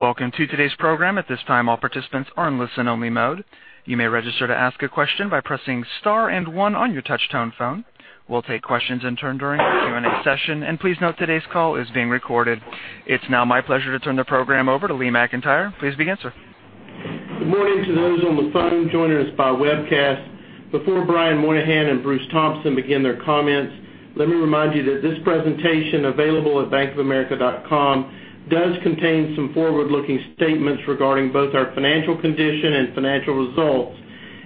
Welcome to today's program. At this time, all participants are in listen only mode. You may register to ask a question by pressing star and one on your touch-tone phone. We'll take questions in turn during the Q&A session, and please note today's call is being recorded. It's now my pleasure to turn the program over to Lee McEntire. Please begin, sir. Good morning to those on the phone joining us by webcast. Before Brian Moynihan and Bruce Thompson begin their comments, let me remind you that this presentation, available at bankofamerica.com, does contain some forward-looking statements regarding both our financial condition and financial results,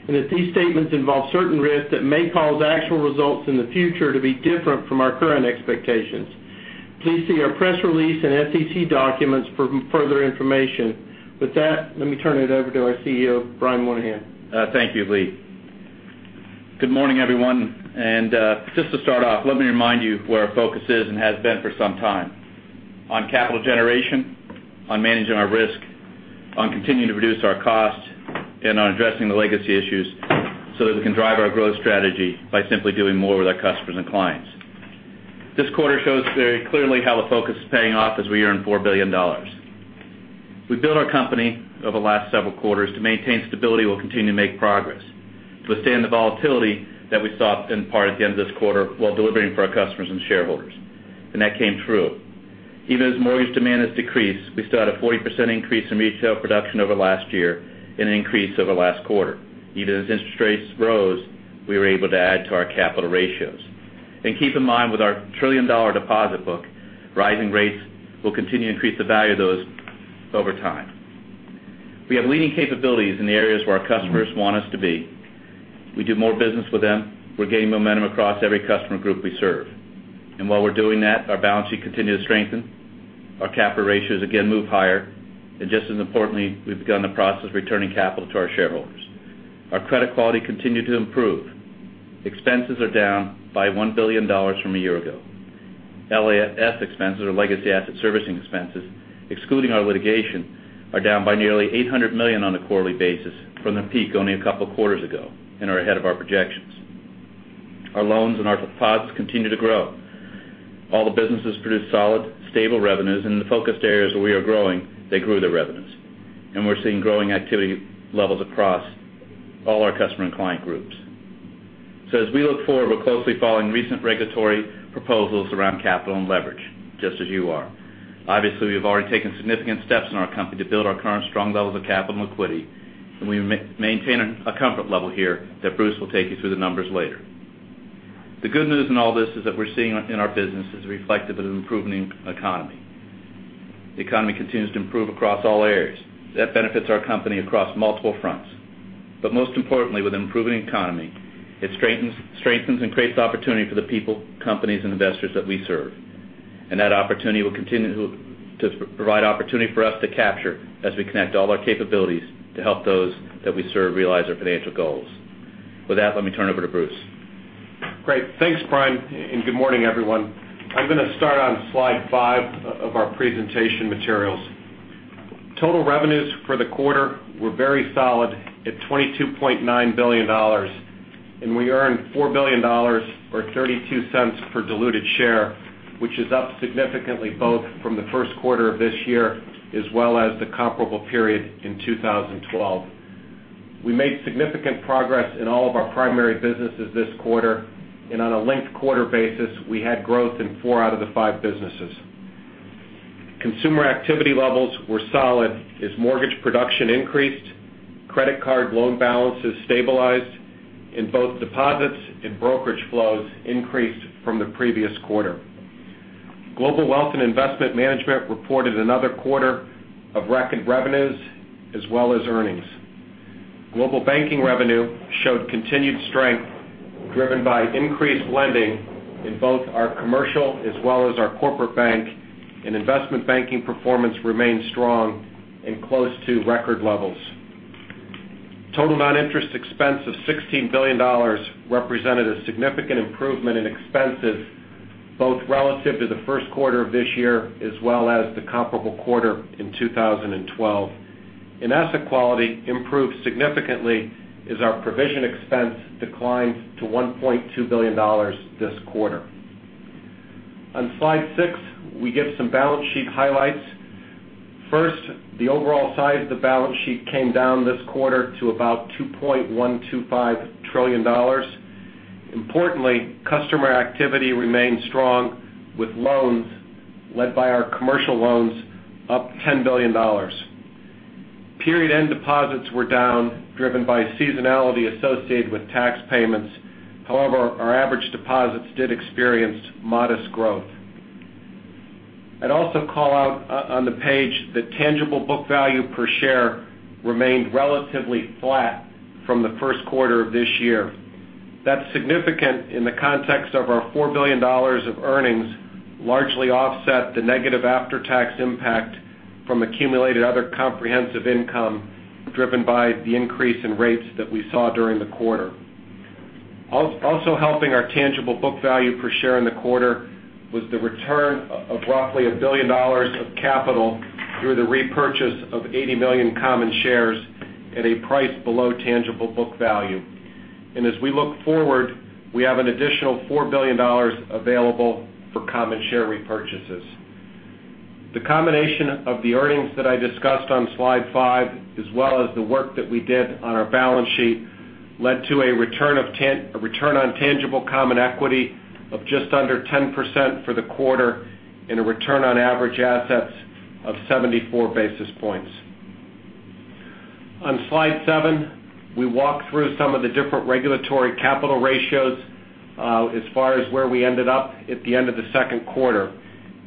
and that these statements involve certain risks that may cause actual results in the future to be different from our current expectations. Please see our press release and SEC documents for further information. With that, let me turn it over to our CEO, Brian Moynihan. Thank you, Lee. Good morning, everyone. Just to start off, let me remind you where our focus is and has been for some time. On capital generation, on managing our risk, on continuing to reduce our cost, and on addressing the legacy issues so that we can drive our growth strategy by simply doing more with our customers and clients. This quarter shows very clearly how the focus is paying off as we earn $4 billion. We built our company over the last several quarters to maintain stability, we'll continue to make progress, to withstand the volatility that we saw in part at the end of this quarter while delivering for our customers and shareholders, and that came true. Even as mortgage demand has decreased, we still had a 40% increase in retail production over last year and an increase over last quarter. Even as interest rates rose, we were able to add to our capital ratios. Keep in mind, with our trillion-dollar deposit book, rising rates will continue to increase the value of those over time. We have leading capabilities in the areas where our customers want us to be. We do more business with them. We're gaining momentum across every customer group we serve. While we're doing that, our balance sheet continued to strengthen. Our capital ratios again move higher. Just as importantly, we've begun the process of returning capital to our shareholders. Our credit quality continued to improve. Expenses are down by $1 billion from a year ago. LAS expenses, or Legacy Assets and Servicing expenses, excluding our litigation, are down by nearly $800 million on a quarterly basis from the peak only a couple of quarters ago and are ahead of our projections. Our loans and our deposits continue to grow. All the businesses produce solid, stable revenues. In the focused areas where we are growing, they grew their revenues. We're seeing growing activity levels across all our customer and client groups. As we look forward, we're closely following recent regulatory proposals around capital and leverage, just as you are. Obviously, we've already taken significant steps in our company to build our current strong levels of capital and liquidity, and we maintain a comfort level here that Bruce will take you through the numbers later. The good news in all this is that we're seeing in our business is reflective of an improving economy. The economy continues to improve across all areas. That benefits our company across multiple fronts. Most importantly, with an improving economy, it strengthens and creates opportunity for the people, companies, and investors that we serve. That opportunity will continue to provide opportunity for us to capture as we connect all our capabilities to help those that we serve realize their financial goals. With that, let me turn over to Bruce. Great. Thanks, Brian. Good morning, everyone. I'm going to start on slide five of our presentation materials. Total revenues for the quarter were very solid at $22.9 billion, and we earned $4 billion or $0.32 per diluted share, which is up significantly both from the first quarter of this year as well as the comparable period in 2012. We made significant progress in all of our primary businesses this quarter, and on a linked-quarter basis, we had growth in four out of the five businesses. Consumer activity levels were solid as mortgage production increased, credit card loan balances stabilized, and both deposits and brokerage flows increased from the previous quarter. Global Wealth and Investment Management reported another quarter of record revenues, as well as earnings. Global Banking revenue showed continued strength, driven by increased lending in both our commercial as well as our corporate bank. Investment banking performance remained strong and close to record levels. Total non-interest expense of $16 billion represented a significant improvement in expenses, both relative to the first quarter of this year, as well as the comparable quarter in 2012. Asset quality improved significantly as our provision expense declined to $1.2 billion this quarter. On slide six, we give some balance sheet highlights. First, the overall size of the balance sheet came down this quarter to about $2.125 trillion. Importantly, customer activity remained strong with loans led by our commercial loans up $10 billion. Period-end deposits were down, driven by seasonality associated with tax payments. However, our average deposits did experience modest growth. I'd also call out on the page that tangible book value per share remained relatively flat from the first quarter of this year. That's significant in the context of our $4 billion of earnings, largely offset the negative after-tax impact from accumulated other comprehensive income, driven by the increase in rates that we saw during the quarter. Also helping our tangible book value per share in the quarter was the return of roughly $1 billion of capital through the repurchase of 80 million common shares at a price below tangible book value. As we look forward, we have an additional $4 billion available for common share repurchases. The combination of the earnings that I discussed on slide five, as well as the work that we did on our balance sheet, led to a return on tangible common equity of just under 10% for the quarter and a return on average assets of 74 basis points. On slide seven, we walk through some of the different regulatory capital ratios as far as where we ended up at the end of the second quarter.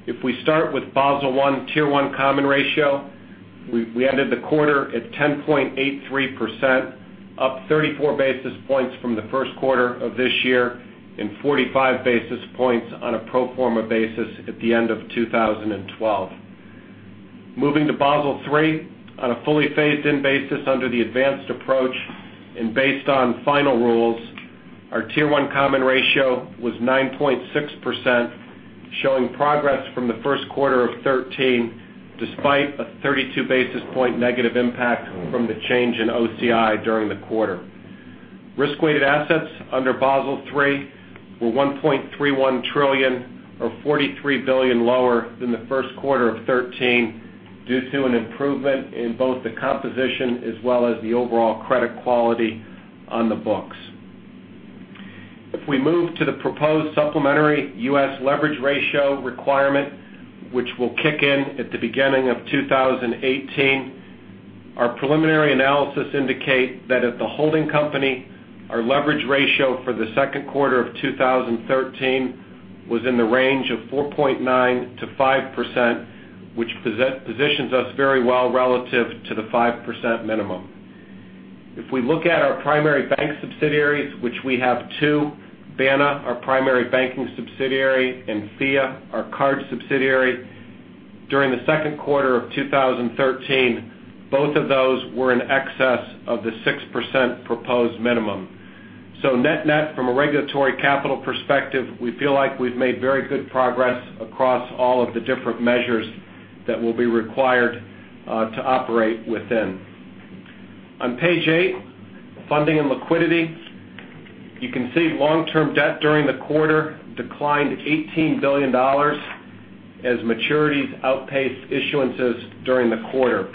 If we start with Basel I Tier 1 common ratio, we ended the quarter at 10.83%, up 34 basis points from the first quarter of this year and 45 basis points on a pro forma basis at the end of 2012. Moving to Basel III, on a fully phased-in basis under the advanced approach and based on final rules, our Tier 1 common ratio was 9.6%, showing progress from the first quarter of 2013, despite a 32 basis point negative impact from the change in OCI during the quarter. Risk-weighted assets under Basel III were 1.31 trillion, or 43 billion lower than the first quarter of 2013, due to an improvement in both the composition as well as the overall credit quality on the books. If we move to the proposed supplementary U.S. leverage ratio requirement, which will kick in at the beginning of 2018, our preliminary analysis indicate that at the holding company, our leverage ratio for the second quarter of 2013 was in the range of 4.9%-5%, which positions us very well relative to the 5% minimum. If we look at our primary bank subsidiaries, which we have two, BANA, our primary banking subsidiary, and FIA, our card subsidiary. During the second quarter of 2013, both of those were in excess of the 6% proposed minimum. Net-net, from a regulatory capital perspective, we feel like we've made very good progress across all of the different measures that we'll be required to operate within. On page eight, funding and liquidity. You can see long-term debt during the quarter declined $18 billion as maturities outpaced issuances during the quarter.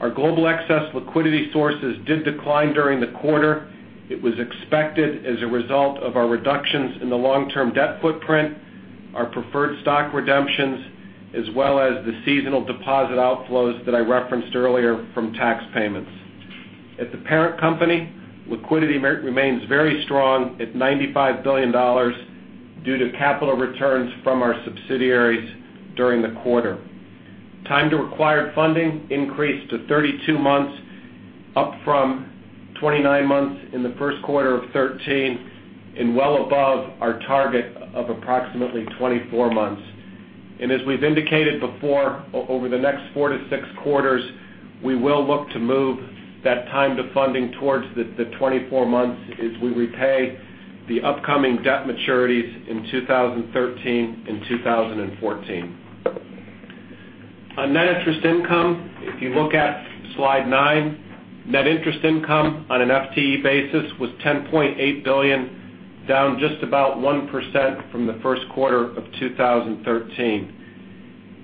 Our global excess liquidity sources did decline during the quarter. It was expected as a result of our reductions in the long-term debt footprint, our preferred stock redemptions, as well as the seasonal deposit outflows that I referenced earlier from tax payments. At the parent company, liquidity remains very strong at $95 billion due to capital returns from our subsidiaries during the quarter. Time to required funding increased to 32 months, up from 29 months in the first quarter of 2013, and well above our target of approximately 24 months. As we've indicated before, over the next 4 to 6 quarters, we will look to move that time to funding towards the 24 months as we repay the upcoming debt maturities in 2013 and 2014. On net interest income, if you look at slide nine, net interest income on an FTE basis was $10.8 billion, down just about 1% from the first quarter of 2013.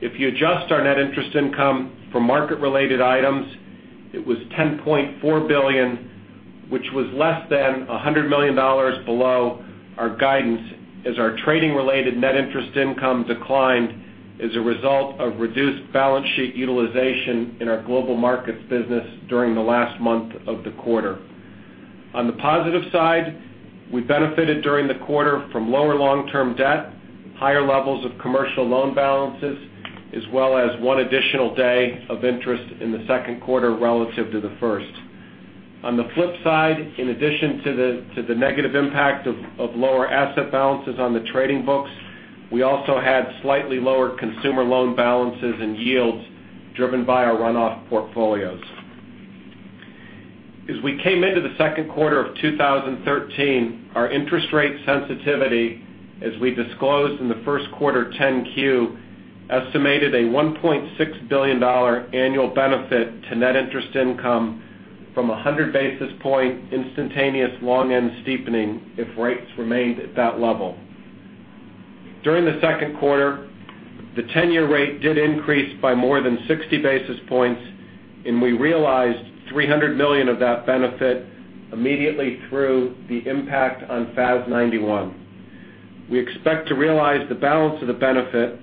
If you adjust our net interest income for market-related items, it was $10.4 billion, which was less than $100 million below our guidance as our trading-related net interest income declined as a result of reduced balance sheet utilization in our Global Markets business during the last month of the quarter. On the positive side, we benefited during the quarter from lower long-term debt, higher levels of commercial loan balances, as well as one additional day of interest in the second quarter relative to the first. On the flip side, in addition to the negative impact of lower asset balances on the trading books, we also had slightly lower consumer loan balances and yields driven by our runoff portfolios. As we came into the second quarter of 2013, our interest rate sensitivity, as we disclosed in the first quarter 10-Q, estimated a $1.6 billion annual benefit to net interest income from 100 basis point instantaneous long-end steepening if rates remained at that level. During the second quarter, the 10-year rate did increase by more than 60 basis points, and we realized $300 million of that benefit immediately through the impact on FAS 91. We expect to realize the balance of the benefit,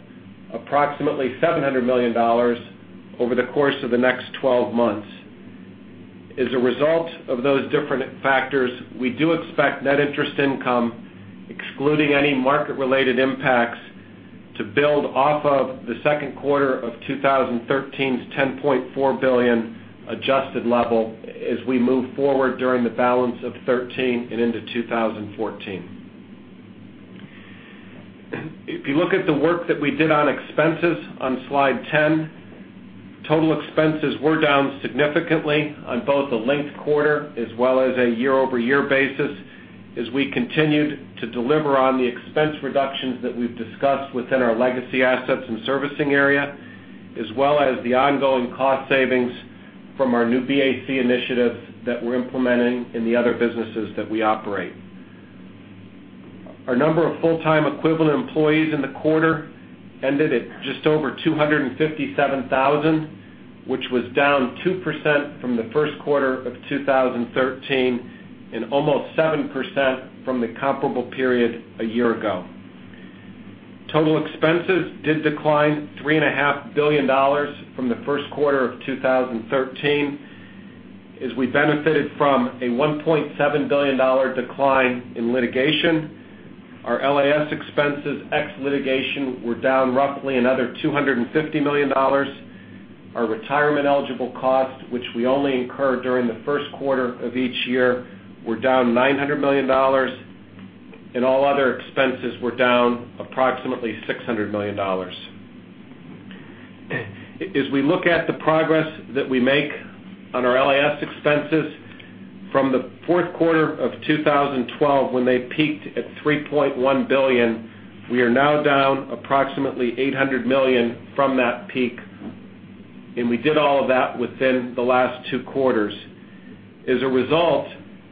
approximately $700 million, over the course of the next 12 months. As a result of those different factors, we do expect net interest income, excluding any market-related impacts, to build off of the second quarter of 2013's $10.4 billion adjusted level as we move forward during the balance of 2013 and into 2014. If you look at the work that we did on expenses on slide 10, total expenses were down significantly on both a linked quarter as well as a year-over-year basis as we continued to deliver on the expense reductions that we've discussed within our Legacy Assets and Servicing area. As well as the ongoing cost savings from our New BAC initiative that we're implementing in the other businesses that we operate. Our number of full-time equivalent employees in the quarter ended at just over 257,000, which was down 2% from the first quarter of 2013, and almost 7% from the comparable period a year ago. Total expenses did decline $3.5 billion from the first quarter of 2013, as we benefited from a $1.7 billion decline in litigation. Our LAS expenses ex litigation were down roughly another $250 million. Our retirement eligible costs, which we only incur during the first quarter of each year, were down $900 million, and all other expenses were down approximately $600 million. As we look at the progress that we make on our LAS expenses from the fourth quarter of 2012, when they peaked at $3.1 billion, we are now down approximately $800 million from that peak, and we did all of that within the last two quarters. As a result,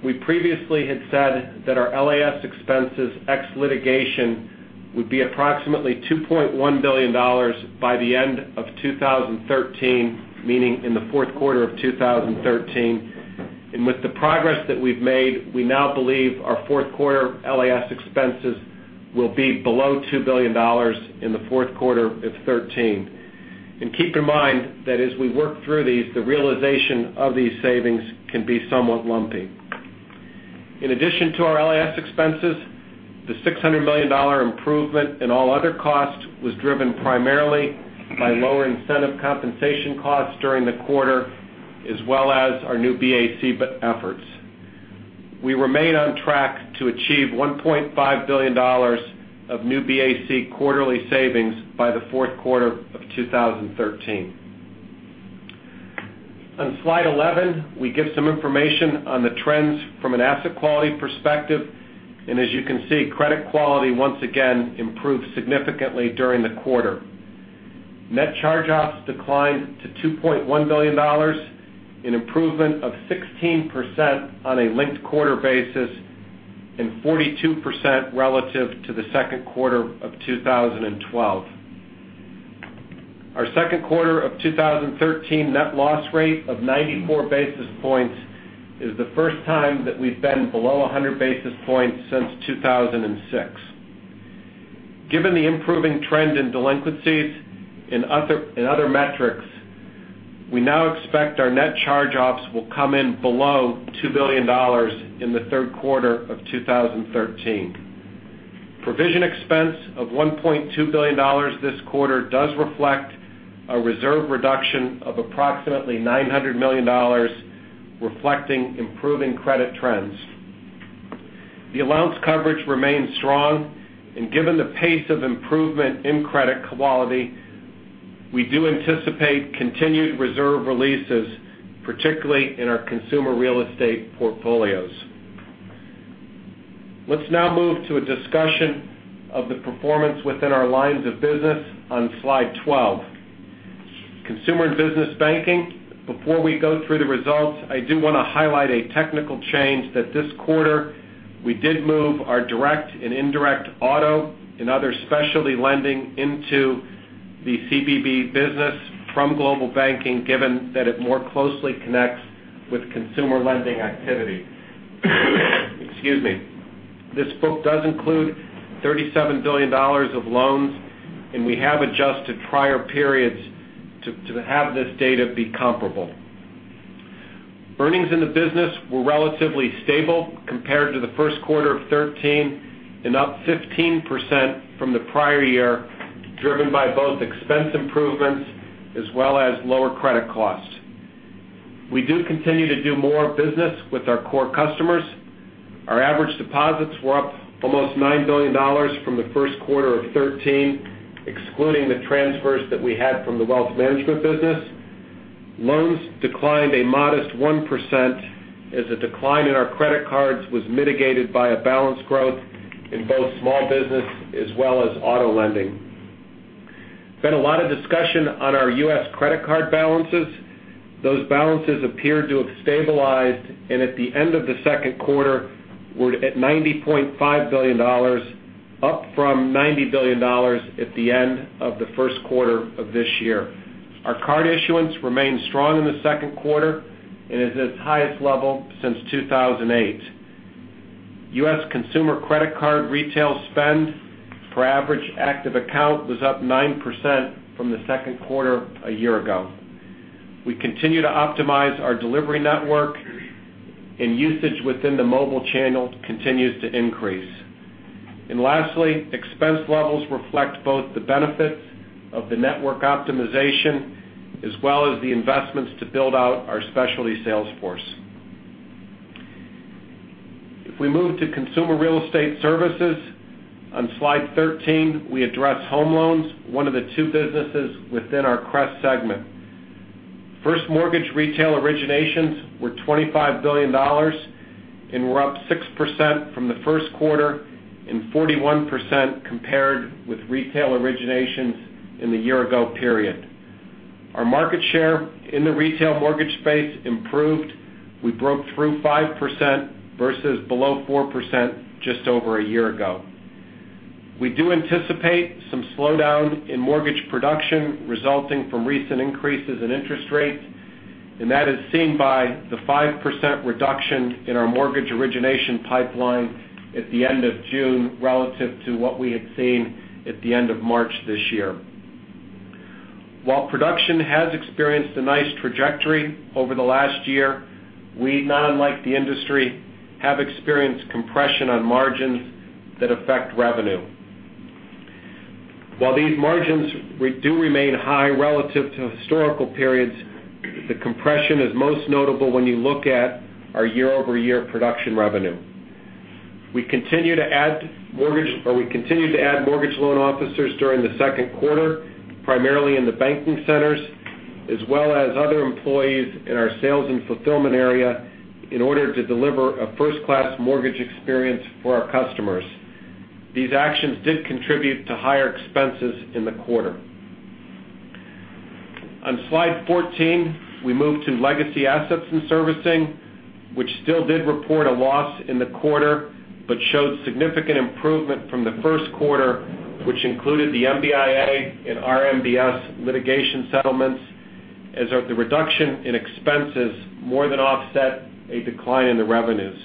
we previously had said that our LAS expenses, ex litigation, would be approximately $2.1 billion by the end of 2013, meaning in the fourth quarter of 2013. With the progress that we've made, we now believe our fourth quarter LAS expenses will be below $2 billion in the fourth quarter of 2013. Keep in mind that as we work through these, the realization of these savings can be somewhat lumpy. In addition to our LAS expenses, the $600 million improvement in all other costs was driven primarily by lower incentive compensation costs during the quarter, as well as our Project New BAC efforts. We remain on track to achieve $1.5 billion of Project New BAC quarterly savings by the fourth quarter of 2013. On slide 11, we give some information on the trends from an asset quality perspective, as you can see, credit quality once again improved significantly during the quarter. Net charge-offs declined to $2.1 billion, an improvement of 16% on a linked-quarter basis, and 42% relative to the second quarter of 2012. Our second quarter of 2013 net loss rate of 94 basis points is the first time that we've been below 100 basis points since 2006. Given the improving trend in delinquencies and other metrics, we now expect our net charge-offs will come in below $2 billion in the third quarter of 2013. Provision expense of $1.2 billion this quarter does reflect a reserve reduction of approximately $900 million, reflecting improving credit trends. The allowance coverage remains strong, given the pace of improvement in credit quality, we do anticipate continued reserve releases, particularly in our consumer real estate portfolios. Let's now move to a discussion of the performance within our lines of business on slide 12. Consumer and Business Banking. Before we go through the results, I do want to highlight a technical change that this quarter we did move our direct and indirect auto and other specialty lending into the CBB business from Global Banking, given that it more closely connects with consumer lending activity. Excuse me. This book does include $37 billion of loans. We have adjusted prior periods to have this data be comparable. Earnings in the business were relatively stable compared to the first quarter of 2013, up 15% from the prior year, driven by both expense improvements as well as lower credit costs. We do continue to do more business with our core customers. Our average deposits were up almost $9 billion from the first quarter of 2013, excluding the transfers that we had from the wealth management business. Loans declined a modest 1% as a decline in our credit cards was mitigated by a balance growth in both small business as well as auto lending. There's been a lot of discussion on our U.S. credit card balances. Those balances appear to have stabilized. At the end of the second quarter, we're at $90.5 billion, up from $90 billion at the end of the first quarter of this year. Our card issuance remained strong in the second quarter and is at its highest level since 2008. U.S. consumer credit card retail spend per average active account was up 9% from the second quarter a year ago. We continue to optimize our delivery network. Usage within the mobile channel continues to increase. Lastly, expense levels reflect both the benefits of the network optimization as well as the investments to build out our specialty sales force. If we move to Consumer Real Estate Services, on slide 13, we address home loans, one of the two businesses within our CRES segment. First mortgage retail originations were $25 billion, and were up 6% from the first quarter and 41% compared with retail originations in the year ago period. Our market share in the retail mortgage space improved. We broke through 5% versus below 4% just over a year ago. We do anticipate some slowdown in mortgage production resulting from recent increases in interest rates. That is seen by the 5% reduction in our mortgage origination pipeline at the end of June relative to what we had seen at the end of March this year. While production has experienced a nice trajectory over the last year, we not unlike the industry, have experienced compression on margins that affect revenue. While these margins do remain high relative to historical periods, the compression is most notable when you look at our year-over-year production revenue. We continued to add mortgage loan officers during the second quarter, primarily in the banking centers, as well as other employees in our sales and fulfillment area in order to deliver a first-class mortgage experience for our customers. These actions did contribute to higher expenses in the quarter. On slide 14, we move to Legacy Assets and Servicing, which still did report a loss in the quarter but showed significant improvement from the first quarter, which included the MBIA and RMBS litigation settlements, as the reduction in expenses more than offset a decline in the revenues.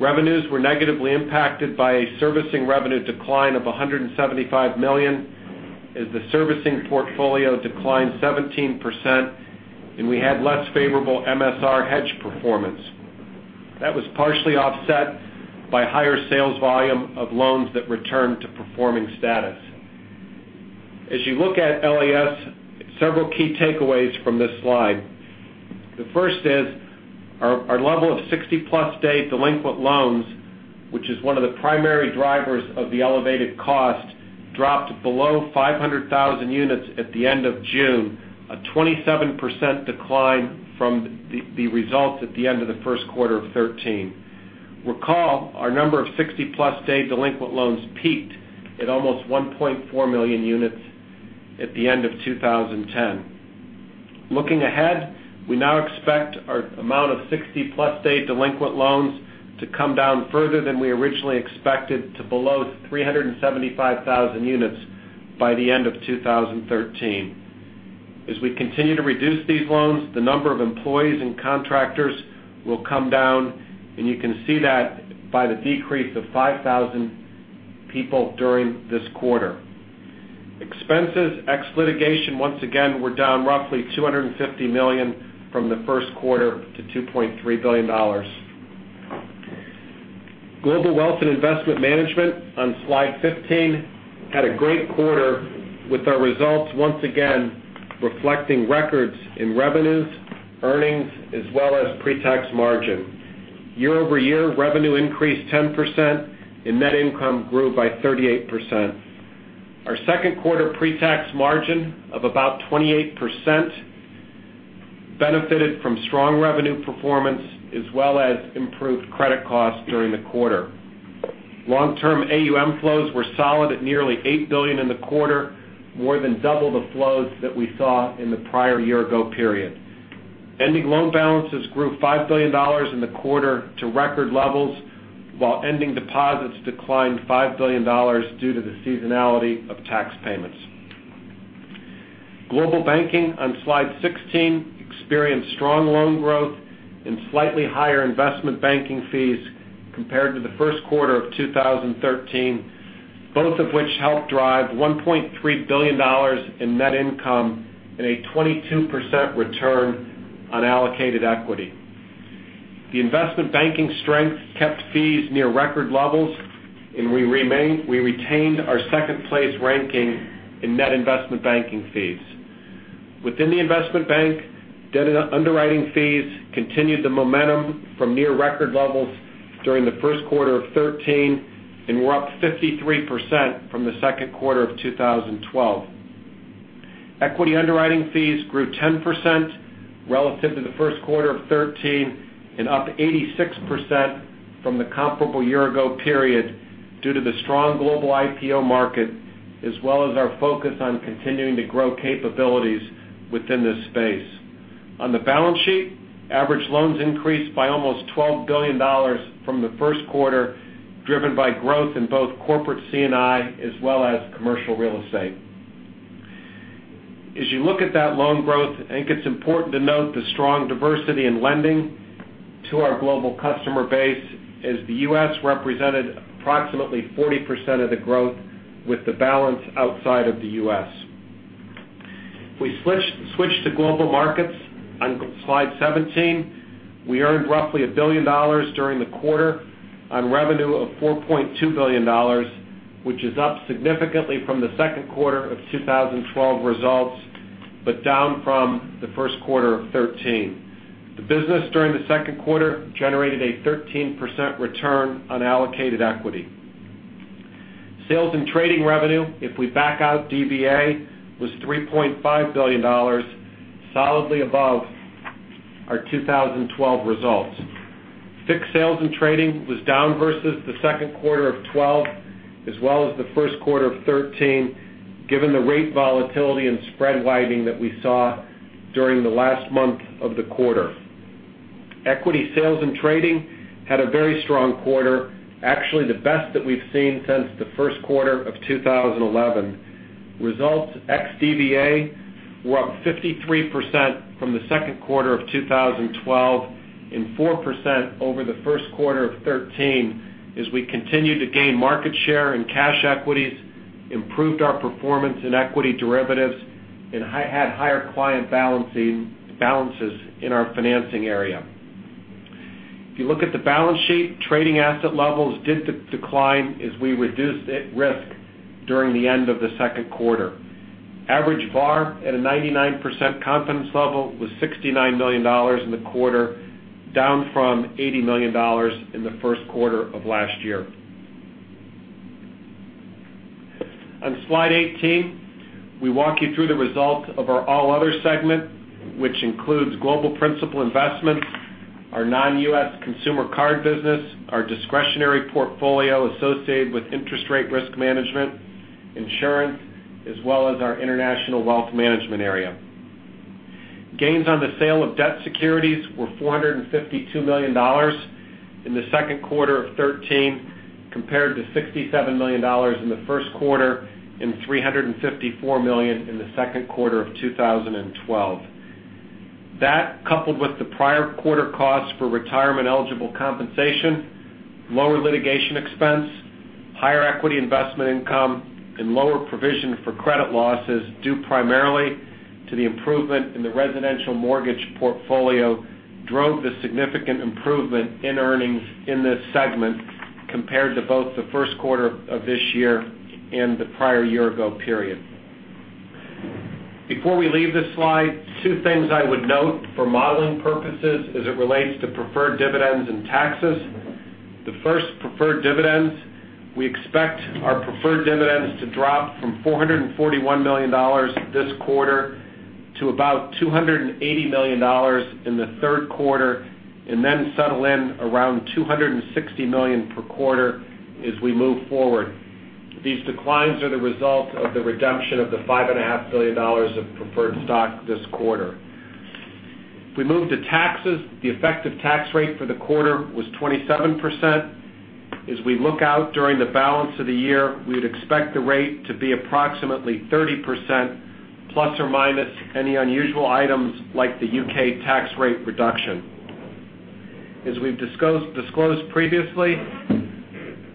Revenues were negatively impacted by a servicing revenue decline of $175 million as the servicing portfolio declined 17%. We had less favorable MSR hedge performance. That was partially offset by higher sales volume of loans that returned to performing status. As you look at LAS, several key takeaways from this slide. The first is our level of 60-plus day delinquent loans, which is one of the primary drivers of the elevated cost, dropped below 500,000 units at the end of June, a 27% decline from the results at the end of the first quarter of 2013. Recall, our number of 60-plus day delinquent loans peaked at almost 1.4 million units at the end of 2010. Looking ahead, we now expect our amount of 60-plus day delinquent loans to come down further than we originally expected to below 375,000 units by the end of 2013. As we continue to reduce these loans, the number of employees and contractors will come down. You can see that by the decrease of 5,000 people during this quarter. Expenses ex litigation, once again, were down roughly $250 million from the first quarter to $2.3 billion. Global Wealth and Investment Management on slide 15 had a great quarter with our results once again reflecting records in revenues, earnings, as well as pretax margin. Year-over-year revenue increased 10%, and net income grew by 38%. Our second quarter pretax margin of about 28% benefited from strong revenue performance as well as improved credit costs during the quarter. Long-term AUM flows were solid at nearly $8 billion in the quarter, more than double the flows that we saw in the prior year ago period. Ending loan balances grew $5 billion in the quarter to record levels, while ending deposits declined $5 billion due to the seasonality of tax payments. Global Banking on slide 16 experienced strong loan growth and slightly higher investment banking fees compared to the first quarter of 2013, both of which helped drive $1.3 billion in net income and a 22% return on allocated equity. The investment banking strength kept fees near record levels, and we retained our second-place ranking in net investment banking fees. Within the investment bank, debt underwriting fees continued the momentum from near record levels during the first quarter of 2013, and were up 53% from the second quarter of 2012. Equity underwriting fees grew 10% relative to the first quarter of 2013 and up 86% from the comparable year ago period due to the strong global IPO market, as well as our focus on continuing to grow capabilities within this space. On the balance sheet, average loans increased by almost $12 billion from the first quarter, driven by growth in both corporate C&I as well as commercial real estate. As you look at that loan growth, I think it's important to note the strong diversity in lending to our global customer base as the U.S. represented approximately 40% of the growth with the balance outside of the U.S. If we switch to Global Markets on slide 17, we earned roughly $1 billion during the quarter on revenue of $4.2 billion, which is up significantly from the second quarter of 2012 results, but down from the first quarter of 2013. The business during the second quarter generated a 13% return on allocated equity. Sales and trading revenue, if we back out DVA, was $3.5 billion, solidly above our 2012 results. FICC sales and trading was down versus the second quarter of 2012 as well as the first quarter of 2013, given the rate volatility and spread widening that we saw during the last month of the quarter. Equity sales and trading had a very strong quarter, actually the best that we've seen since the first quarter of 2011. Results ex-DVA were up 53% from the second quarter of 2012 and 4% over the first quarter of 2013, as we continued to gain market share in cash equities, improved our performance in equity derivatives, and had higher client balances in our financing area. If you look at the balance sheet, trading asset levels did decline as we reduced risk during the end of the second quarter. Average VaR at a 99% confidence level was $69 million in the quarter, down from $80 million in the first quarter of last year. On slide 18, we walk you through the results of our all other segment, which includes global principal investments, our non-U.S. consumer card business, our discretionary portfolio associated with interest rate risk management, insurance, as well as our international wealth management area. Gains on the sale of debt securities were $452 million in the second quarter of 2013, compared to $67 million in the first quarter and $354 million in the second quarter of 2012. That, coupled with the prior quarter cost for retirement-eligible compensation, lower litigation expense, higher equity investment income, and lower provision for credit losses, due primarily to the improvement in the residential mortgage portfolio, drove the significant improvement in earnings in this segment compared to both the first quarter of this year and the prior year-ago period. Before we leave this slide, two things I would note for modeling purposes as it relates to preferred dividends and taxes. The first, preferred dividends. We expect our preferred dividends to drop from $441 million this quarter to about $280 million in the third quarter and then settle in around $260 million per quarter as we move forward. These declines are the result of the redemption of the $5.5 billion of preferred stock this quarter. If we move to taxes, the effective tax rate for the quarter was 27%. As we look out during the balance of the year, we'd expect the rate to be approximately 30%, plus or minus any unusual items like the U.K. tax rate reduction. As we've disclosed previously,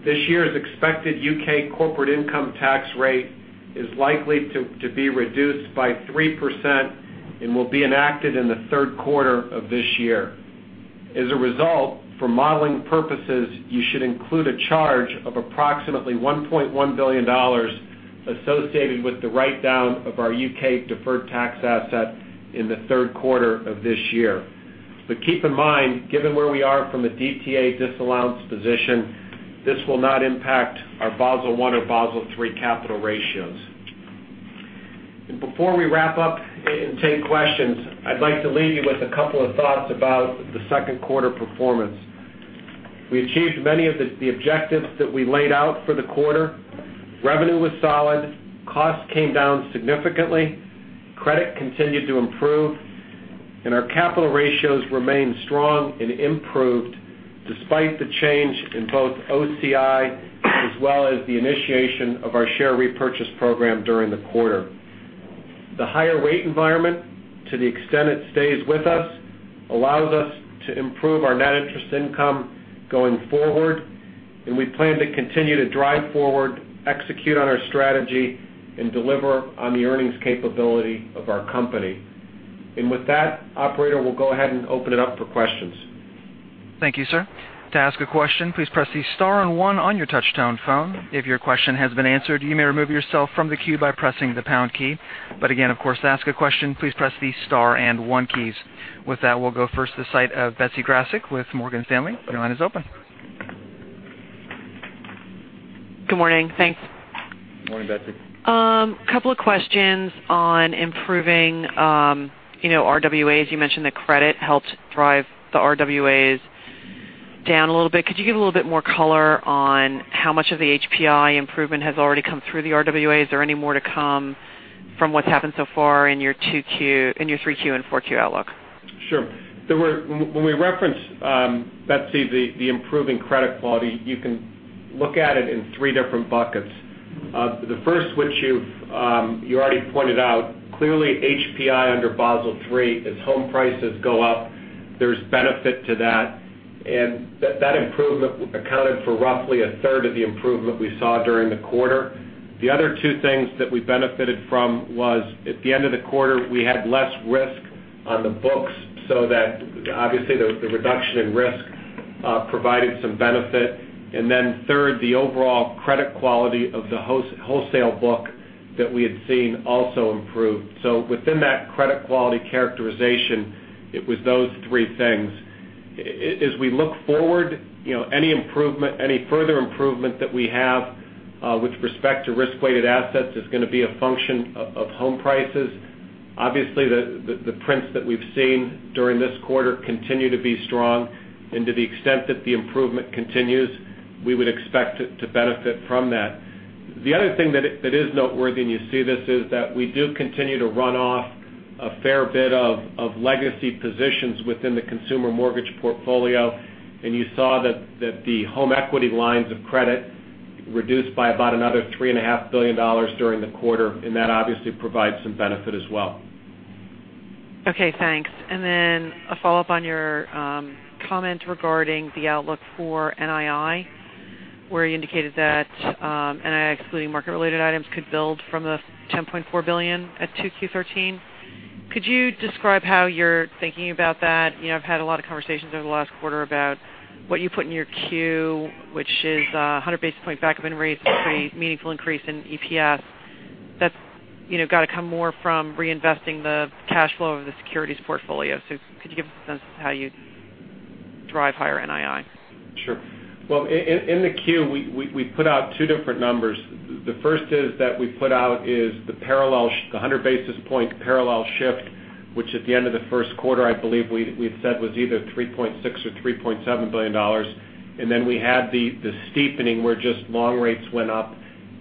this year's expected U.K. corporate income tax rate is likely to be reduced by 3% and will be enacted in the third quarter of this year. For modeling purposes, you should include a charge of approximately $1.1 billion associated with the write-down of our U.K. deferred tax asset in the third quarter of this year. Keep in mind, given where we are from a DTA disallowance position, this will not impact our Basel I or Basel III capital ratios. Before we wrap up and take questions, I'd like to leave you with a couple of thoughts about the second quarter performance. We achieved many of the objectives that we laid out for the quarter. Revenue was solid. Costs came down significantly. Credit continued to improve. Our capital ratios remained strong and improved despite the change in both OCI as well as the initiation of our share repurchase program during the quarter. The higher rate environment, to the extent it stays with us, allows us to improve our net interest income going forward, and we plan to continue to drive forward, execute on our strategy, and deliver on the earnings capability of our company. With that, operator, we'll go ahead and open it up for questions. Thank you, sir. To ask a question, please press the star and one on your touch-tone phone. If your question has been answered, you may remove yourself from the queue by pressing the pound key. Again, of course, to ask a question, please press the star and one keys. With that, we'll go first to the site of Betsy Graseck with Morgan Stanley. Your line is open. Good morning. Thanks. Morning, Betsy. A couple of questions on improving RWAs. You mentioned that credit helped drive the RWAs down a little bit. Could you give a little bit more color on how much of the HPI improvement has already come through the RWAs? Is there any more to come from what's happened so far in your three Q and four Q outlook? Sure. When we reference, Betsy, the improving credit quality, you can look at it in three different buckets. The first, which you already pointed out, clearly HPI under Basel III, as home prices go up, there's benefit to that. That improvement accounted for roughly a third of the improvement we saw during the quarter. The other two things that we benefited from was, at the end of the quarter, we had less risk on the books, so that obviously the reduction in risk provided some benefit. Then third, the overall credit quality of the wholesale book that we had seen also improved. Within that credit quality characterization, it was those three things. As we look forward, any further improvement that we have with respect to risk-weighted assets is going to be a function of home prices. Obviously, the prints that we've seen during this quarter continue to be strong. To the extent that the improvement continues, we would expect to benefit from that. The other thing that is noteworthy, and you see this, is that we do continue to run off a fair bit of legacy positions within the consumer mortgage portfolio. You saw that the home equity lines of credit reduced by about another $3.5 billion during the quarter, and that obviously provides some benefit as well. Okay, thanks. Then a follow-up on your comment regarding the outlook for NII, where you indicated that NII, excluding market-related items, could build from the $10.4 billion at 2Q13. Could you describe how you're thinking about that? I've had a lot of conversations over the last quarter about what you put in your Q, which is 100 basis point backup in rates, a pretty meaningful increase in EPS. That's got to come more from reinvesting the cash flow of the securities portfolio. Could you give us a sense of how you drive higher NII? Sure. Well, in the Q, we put out two different numbers. The first is that we put out is the 100 basis point parallel shift, which at the end of the first quarter, I believe we had said was either $3.6 billion or $3.7 billion. Then we had the steepening where just long rates went up,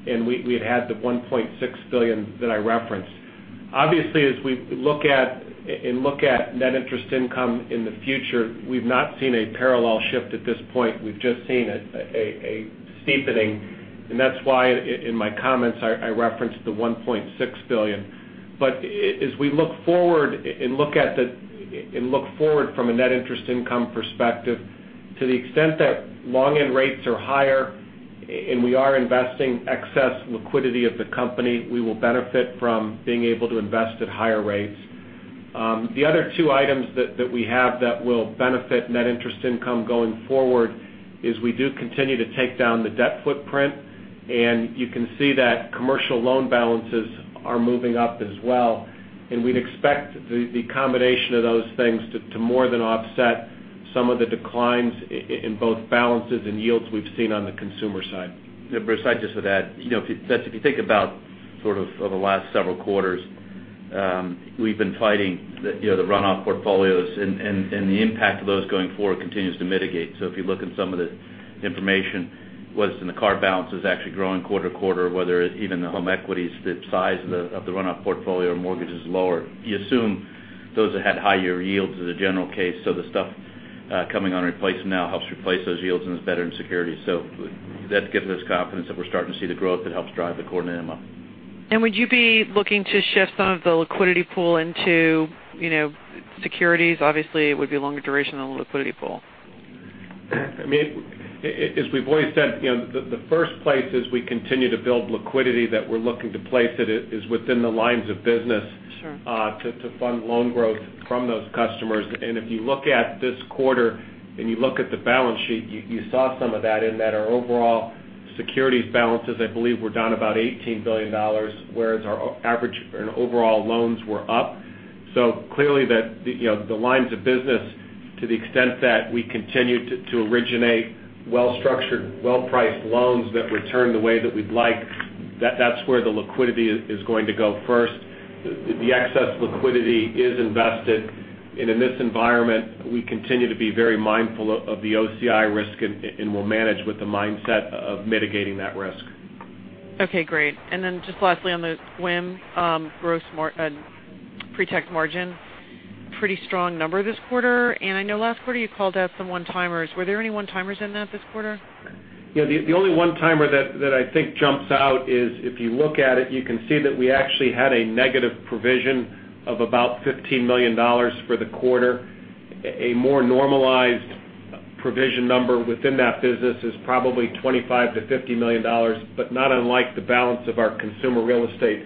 and we had had the $1.6 billion that I referenced. Obviously, as we look at net interest income in the future, we've not seen a parallel shift at this point. We've just seen a steepening. That's why, in my comments, I referenced the $1.6 billion. As we look forward from a net interest income perspective, to the extent that long-end rates are higher and we are investing excess liquidity of the company, we will benefit from being able to invest at higher rates. The other two items that we have that will benefit net interest income going forward is we do continue to take down the debt footprint, and you can see that commercial loan balances are moving up as well. We'd expect the combination of those things to more than offset some of the declines in both balances and yields we've seen on the consumer side. Betsy, I'd just add, if you think about sort of over the last several quarters, we've been fighting the runoff portfolios and the impact of those going forward continues to mitigate. If you look at some of the information, whether it's in the car balances actually growing quarter-to-quarter, whether it's even the home equities, the size of the runoff portfolio or mortgage is lower. You assume those that had higher yields as a general case, so the stuff coming on replacement now helps replace those yields and is better in security. That gives us confidence that we're starting to see the growth that helps drive the core NIM up. Would you be looking to shift some of the liquidity pool into securities? Obviously, it would be longer duration than a liquidity pool. As we've always said, the first place is we continue to build liquidity that we're looking to place it is within the lines of business- Sure to fund loan growth from those customers. If you look at this quarter and you look at the balance sheet, you saw some of that in that our overall securities balances, I believe, were down about $18 billion, whereas our average and overall loans were up. Clearly, the lines of business, to the extent that we continue to originate well-structured, well-priced loans that return the way that we'd like, that's where the liquidity is going to go first. The excess liquidity is invested. In this environment, we continue to be very mindful of the OCI risk and will manage with the mindset of mitigating that risk. Okay, great. Then just lastly on the WIM gross pre-tax margin. Pretty strong number this quarter. I know last quarter you called out some one-timers. Were there any one-timers in that this quarter? The only one-timer that I think jumps out is if you look at it, you can see that we actually had a negative provision of about $15 million for the quarter. A more normalized provision number within that business is probably $25 million-$50 million, but not unlike the balance of our consumer real estate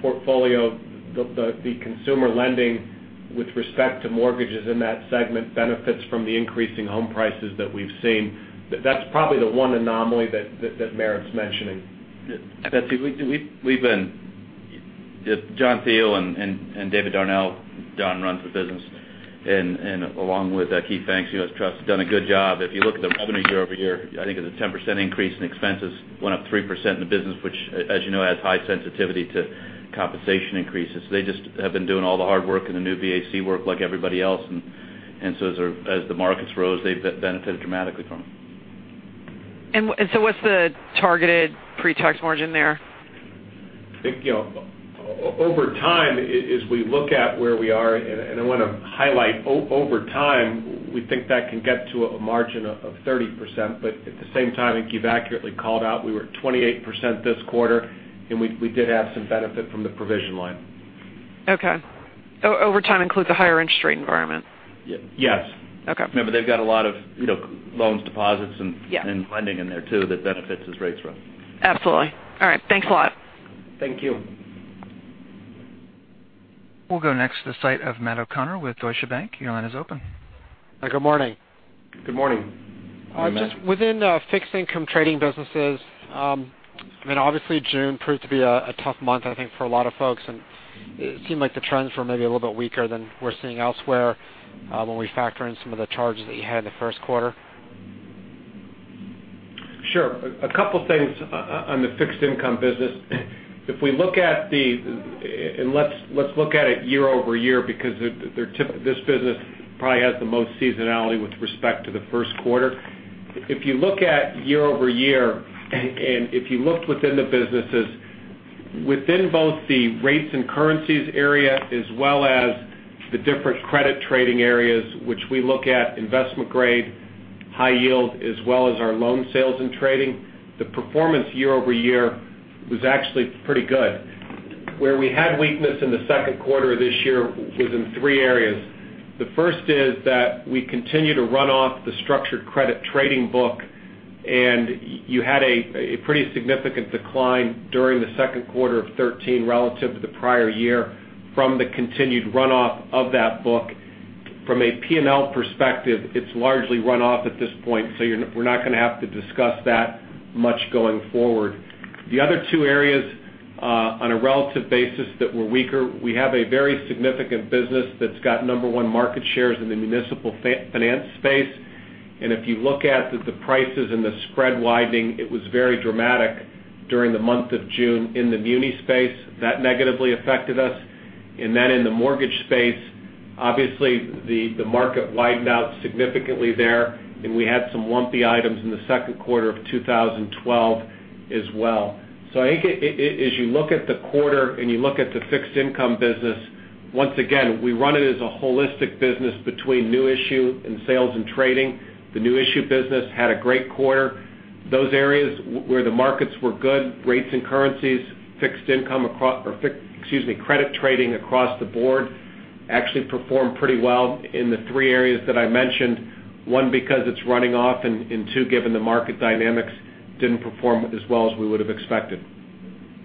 portfolio. The consumer lending with respect to mortgages in that segment benefits from the increasing home prices that we've seen. That's probably the one anomaly that merits mentioning. Betsy, John Thiel and David Darnell, John runs the business, and along with Keith Banks, U.S. Trust, have done a good job. If you look at the revenue year-over-year, I think it's a 10% increase and expenses went up 3% in the business, which as you know, has high sensitivity to compensation increases. They just have been doing all the hard work and the New BAC work like everybody else. As the markets rose, they've benefited dramatically from it. What's the targeted pre-tax margin there? I think over time, as we look at where we are, and I want to highlight, over time, we think that can get to a margin of 30%, but at the same time, I think you've accurately called out we were at 28% this quarter, and we did have some benefit from the provision line. Okay. Over time includes a higher interest rate environment? Yes. Okay. Remember, they've got a lot of loans, deposits, and lending in there too that benefits as rates rise. Absolutely. All right. Thanks a lot. Thank you. We'll go next to the site of Matthew O'Connor with Deutsche Bank. Your line is open. Good morning. Good morning. Within fixed income trading businesses. June proved to be a tough month, I think, for a lot of folks, and it seemed like the trends were maybe a little bit weaker than we're seeing elsewhere when we factor in some of the charges that you had in the first quarter. Sure. A couple things on the fixed income business. Let's look at it year-over-year because this business probably has the most seasonality with respect to the first quarter. If you look at year-over-year, and if you looked within the businesses, within both the rates and currencies area, as well as the different credit trading areas, which we look at investment grade, high yield, as well as our loan sales and trading, the performance year-over-year was actually pretty good. Where we had weakness in the second quarter of this year was in three areas. The first is that we continue to run off the structured credit trading book, and you had a pretty significant decline during the second quarter of 2013 relative to the prior year from the continued runoff of that book. From a P&L perspective, it's largely run off at this point, we're not going to have to discuss that much going forward. The other two areas, on a relative basis that were weaker, we have a very significant business that's got number 1 market shares in the municipal finance space. If you look at the prices and the spread widening, it was very dramatic during the month of June in the muni space. That negatively affected us. In the mortgage space, obviously, the market widened out significantly there, and we had some lumpy items in the second quarter of 2012 as well. I think as you look at the quarter, and you look at the fixed income business, once again, we run it as a holistic business between new issue and sales and trading. The new issue business had a great quarter. Those areas where the markets were good, rates and currencies, credit trading across the board, actually performed pretty well in the three areas that I mentioned. One because it's running off, and two, given the market dynamics, didn't perform as well as we would have expected.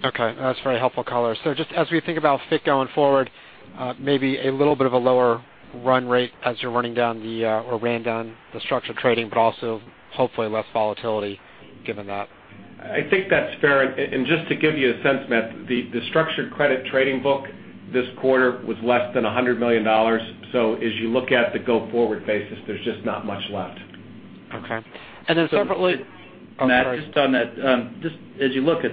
Okay. That's very helpful color. Just as we think about FICC going forward, maybe a little bit of a lower run rate as you're running down the or ran down the structured trading, but also hopefully less volatility given that. I think that's fair. Just to give you a sense, Matt, the structured credit trading book this quarter was less than $100 million. As you look at the go forward basis, there's just not much left. Okay. Matthew, just on that. As you look at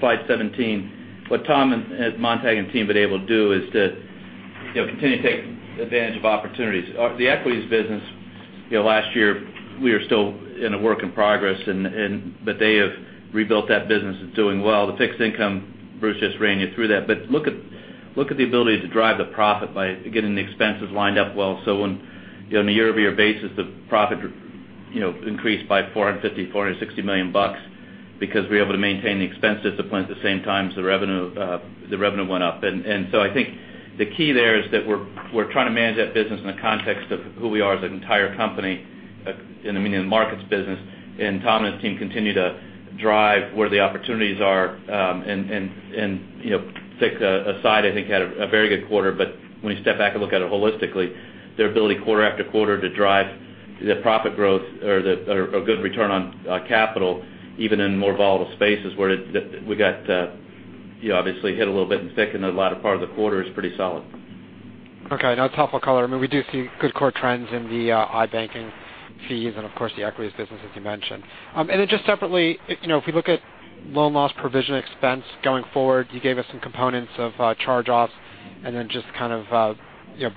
slide 17, what Tom Montag and team have been able to do is to continue to take advantage of opportunities. The equities business, last year we were still in a work in progress, but they have rebuilt that business. It's doing well. The fixed income, Bruce just ran you through that. Look at the ability to drive the profit by getting the expenses lined up well. On a year-over-year basis, the profit increased by $450 million-$460 million because we're able to maintain the expense discipline at the same time as the revenue went up. I think the key there is that we're trying to manage that business in the context of who we are as an entire company in the markets business. Tom and his team continue to drive where the opportunities are. FICC aside, I think, had a very good quarter. When you step back and look at it holistically, their ability quarter after quarter to drive the profit growth or a good return on capital, even in more volatile spaces where we got obviously hit a little bit in FICC and the latter part of the quarter is pretty solid. Okay. No, it's helpful color. We do see good core trends in the iBanking fees and of course the equities business, as you mentioned. Just separately, if we look at loan loss provision expense going forward, you gave us some components of charge-offs and then just kind of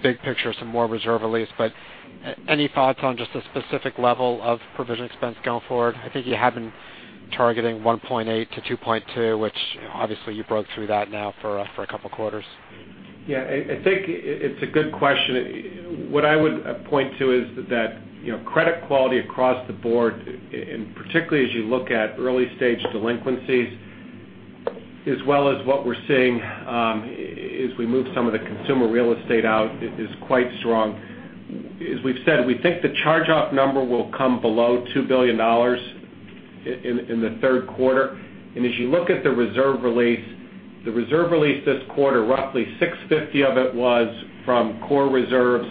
big picture, some more reserve release. Any thoughts on just a specific level of provision expense going forward? I think you had been targeting $1.8 billion-$2.2 billion, which obviously you broke through that now for a couple of quarters. Yeah, I think it's a good question. What I would point to is that credit quality across the board, and particularly as you look at early-stage delinquencies as well as what we're seeing as we move some of the Consumer Real Estate out, is quite strong. As we've said, we think the charge-off number will come below $2 billion in the third quarter. As you look at the reserve release, the reserve release this quarter, roughly $650 million of it was from core reserves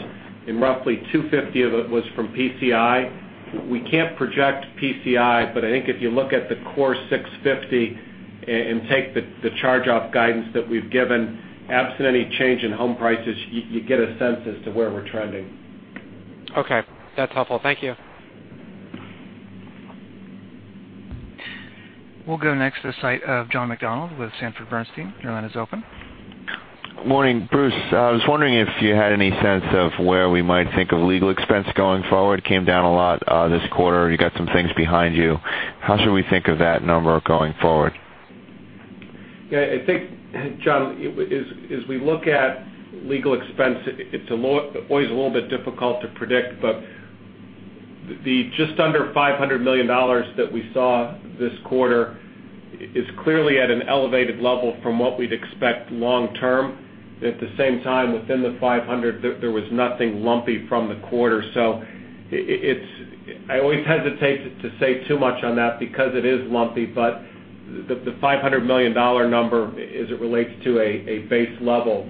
and roughly $250 million of it was from PCI. We can't project PCI, I think if you look at the core $650 million and take the charge-off guidance that we've given, absent any change in home prices, you get a sense as to where we're trending. Okay. That's helpful. Thank you. We'll go next to the line of John McDonald with Sanford Bernstein. Your line is open. Morning, Bruce. I was wondering if you had any sense of where we might think of legal expense going forward. Came down a lot this quarter. You got some things behind you. How should we think of that number going forward? Yeah, I think John, as we look at legal expense, it's always a little bit difficult to predict, but just under $500 million that we saw this quarter is clearly at an elevated level from what we'd expect long term. At the same time, within the 500, there was nothing lumpy from the quarter. I always hesitate to say too much on that because it is lumpy. The $500 million number as it relates to a base level,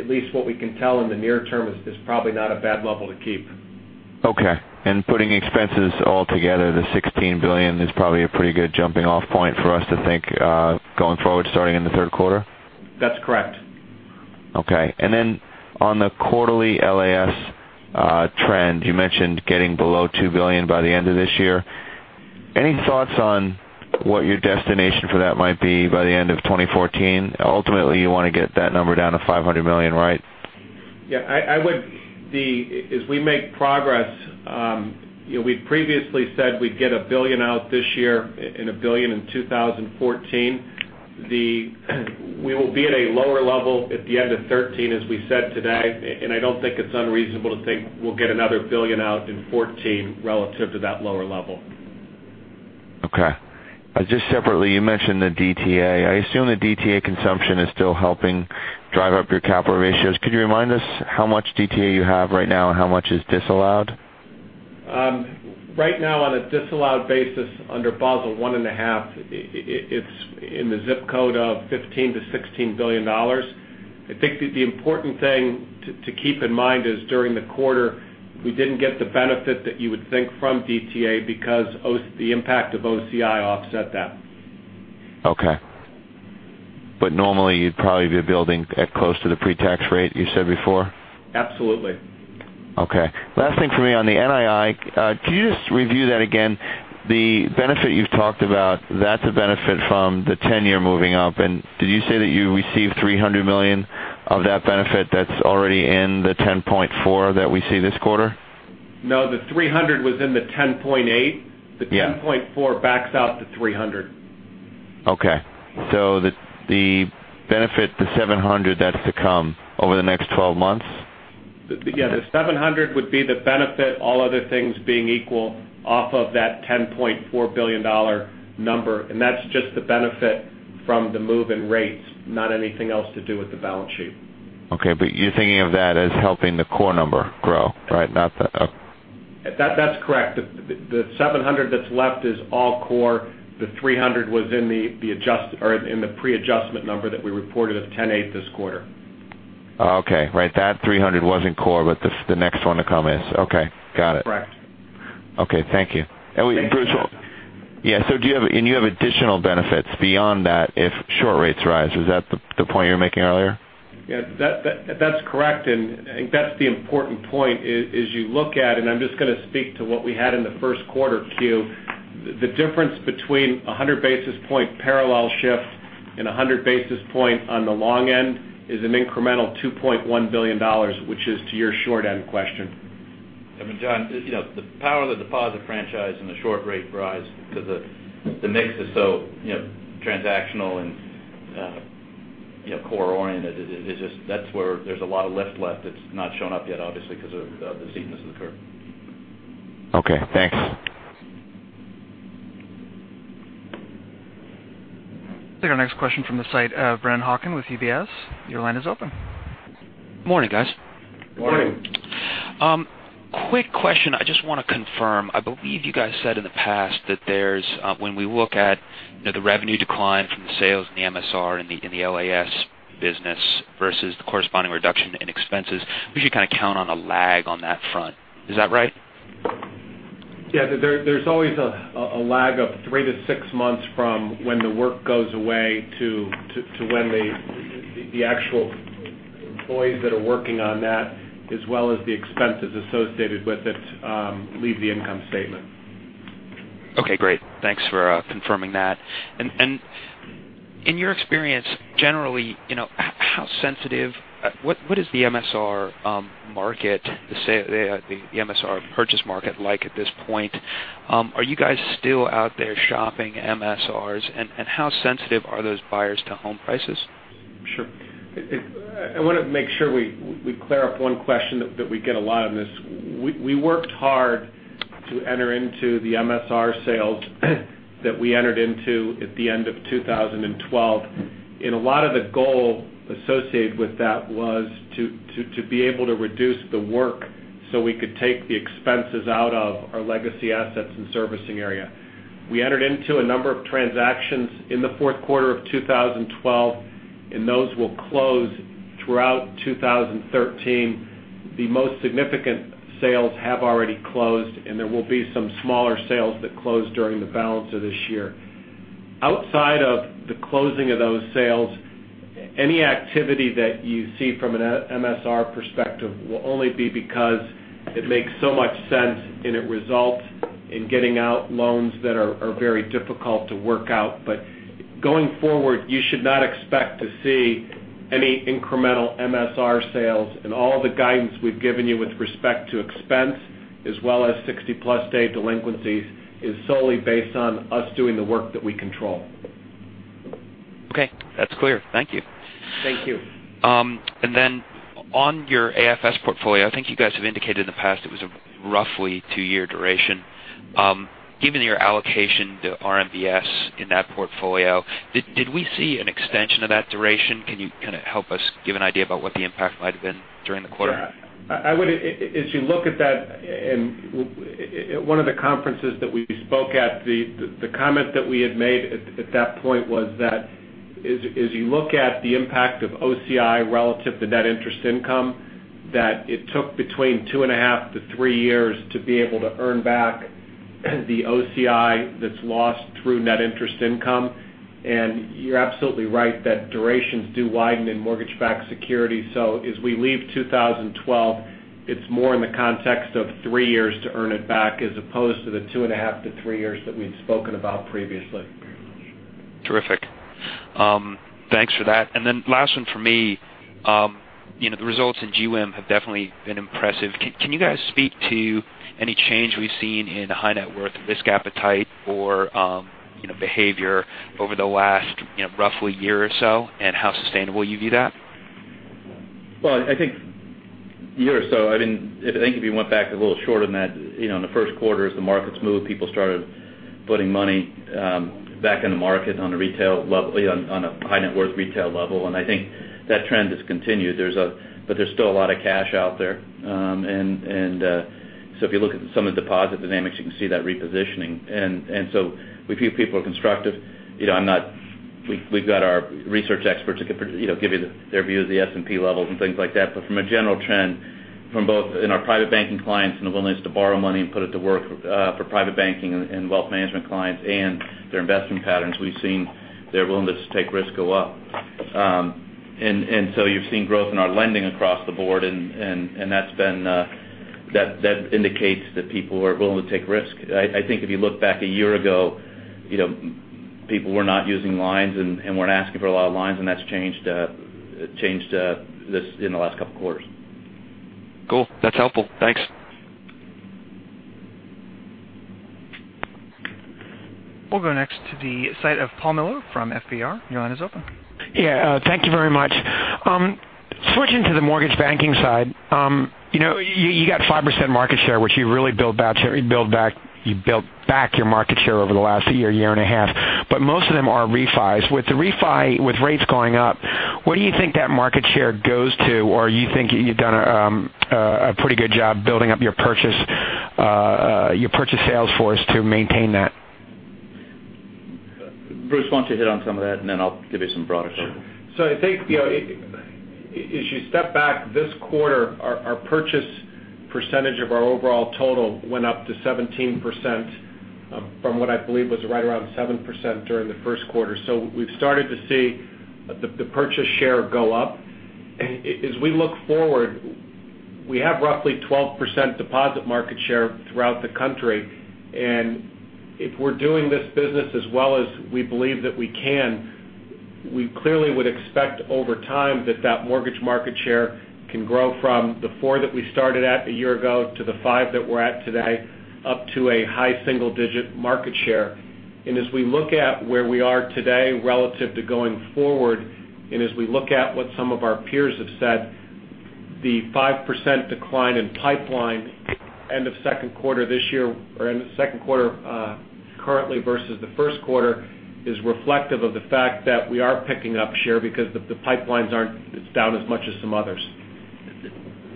at least what we can tell in the near term, is probably not a bad level to keep. Okay. Putting expenses all together, the $16 billion is probably a pretty good jumping off point for us to think going forward, starting in the third quarter? That's correct. Okay. On the quarterly LAS trend, you mentioned getting below $2 billion by the end of this year. Any thoughts on what your destination for that might be by the end of 2014? Ultimately, you want to get that number down to $500 million, right? Yeah. As we make progress, we previously said we'd get $1 billion out this year and $1 billion in 2014. We will be at a lower level at the end of 2013, as we said today, I don't think it's unreasonable to think we'll get another $1 billion out in 2014 relative to that lower level. Okay. Just separately, you mentioned the DTA. I assume the DTA consumption is still helping drive up your capital ratios. Could you remind us how much DTA you have right now and how much is disallowed? Right now on a disallowed basis, under Basel I.5, it's in the zip code of $15 billion-$16 billion. I think the important thing to keep in mind is during the quarter, we didn't get the benefit that you would think from DTA because the impact of OCI offset that. Okay. Normally you'd probably be building at close to the pre-tax rate, you said before? Absolutely. Okay. Last thing for me on the NII. Could you just review that again, the benefit you've talked about, that's a benefit from the 10-year moving up. Did you say that you received $300 million of that benefit that's already in the 10.4 that we see this quarter? No, the $300 was in the $10.8. Yeah. The $10.4 backs out the $300. Okay. The benefit, the $700, that's to come over the next 12 months? The $700 would be the benefit, all other things being equal off of that $10.4 billion number, and that's just the benefit from the move in rates, not anything else to do with the balance sheet. Okay, you're thinking of that as helping the core number grow, right? That's correct. The 700 that's left is all core. The 300 was in the pre-adjustment number that we reported of 10.8 this quarter. Okay. Right, that 300 wasn't core, the next one to come is. Okay, got it. Correct. Okay. Thank you. Thank you. And Bruce, you have additional benefits beyond that if short rates rise. Was that the point you were making earlier? Yeah, that's correct, and I think that's the important point is you look at it, and I'm just going to speak to what we had in the first quarter, too. The difference between 100 basis point parallel shift and 100 basis point on the long end is an incremental $2.1 billion, which is to your short-end question. I mean, John, the power of the deposit franchise and the short rate rise because the mix is so transactional and core-oriented. That's where there's a lot of lift left that's not shown up yet, obviously because of the steepness of the curve. Okay, thanks. Take our next question from the site, Brennan Hawken with UBS. Your line is open. Morning, guys. Morning. Quick question. I just want to confirm. I believe you guys said in the past that when we look at the revenue decline from the sales in the MSR and the LAS business versus the corresponding reduction in expenses, we should kind of count on a lag on that front. Is that right? There's always a lag of three to six months from when the work goes away to when the actual employees that are working on that, as well as the expenses associated with it, leave the income statement. Okay, great. Thanks for confirming that. In your experience, generally, what is the MSR purchase market like at this point? Are you guys still out there shopping MSRs, and how sensitive are those buyers to home prices? Sure. I want to make sure we clear up one question that we get a lot on this. We worked hard to enter into the MSR sales that we entered into at the end of 2012, and a lot of the goal associated with that was to be able to reduce the work so we could take the expenses out of our Legacy Assets and Servicing area. We entered into a number of transactions in the fourth quarter of 2012, and those will close throughout 2013. The most significant sales have already closed, and there will be some smaller sales that close during the balance of this year. Outside of the closing of those sales, any activity that you see from an MSR perspective will only be because it makes so much sense, and it results in getting out loans that are very difficult to work out. Going forward, you should not expect to see any incremental MSR sales, and all the guidance we've given you with respect to expense, as well as 60-plus day delinquencies, is solely based on us doing the work that we control. Okay. That's clear. Thank you. Thank you. On your AFS portfolio, I think you guys have indicated in the past it was a roughly two-year duration. Given your allocation to RMBS in that portfolio, did we see an extension of that duration? Can you help us give an idea about what the impact might have been during the quarter? Yeah. As you look at that, in one of the conferences that we spoke at, the comment that we had made at that point was that as you look at the impact of OCI relative to net interest income, that it took between two and a half to three years to be able to earn back the OCI that's lost through net interest income. You're absolutely right, that durations do widen in mortgage-backed securities. As we leave 2012, it's more in the context of three years to earn it back, as opposed to the two and a half to three years that we'd spoken about previously. Terrific. Thanks for that. Last one from me. The results in GWIM have definitely been impressive. Can you guys speak to any change we've seen in high net worth risk appetite or behavior over the last roughly year or so, and how sustainable you view that? Well, I think a year or so. I think if you went back a little shorter than that, in the first quarter, as the markets moved, people started putting money back in the market on a high net worth retail level. I think that trend has continued. There's still a lot of cash out there. If you look at some of the deposit dynamics, you can see that repositioning. We view people as constructive. We've got our research experts who could give you their view of the S&P levels and things like that. From a general trend, from both in our private banking clients and the willingness to borrow money and put it to work for private banking and wealth management clients and their investment patterns, we've seen their willingness to take risk go up. You've seen growth in our lending across the board, and that indicates that people are willing to take risk. I think if you look back a year ago, people were not using lines and weren't asking for a lot of lines, and that's changed in the last couple of quarters. Cool. That's helpful. Thanks. We'll go next to the side of Paul Miller from FBR. Your line is open. Yeah. Thank you very much. Switching to the mortgage banking side. You got 5% market share, which you really built back your market share over the last year and a half, but most of them are refis. With the refi, with rates going up, where do you think that market share goes to, or you think you've done a pretty good job building up your purchase sales force to maintain that? Bruce, why don't you hit on some of that, and then I'll give you some broader color. Sure. I think as you step back this quarter, our purchase percentage of our overall total went up to 17%, from what I believe was right around 7% during the first quarter. We've started to see the purchase share go up. As we look forward, we have roughly 12% deposit market share throughout the country, and if we're doing this business as well as we believe that we can, we clearly would expect over time that that mortgage market share can grow from the 4% that we started at a year ago to the 5% that we're at today, up to a high single-digit market share. As we look at where we are today relative to going forward, as we look at what some of our peers have said, the 5% decline in pipeline end of second quarter this year or end of second quarter currently versus the first quarter, is reflective of the fact that we are picking up share because the pipelines aren't down as much as some others.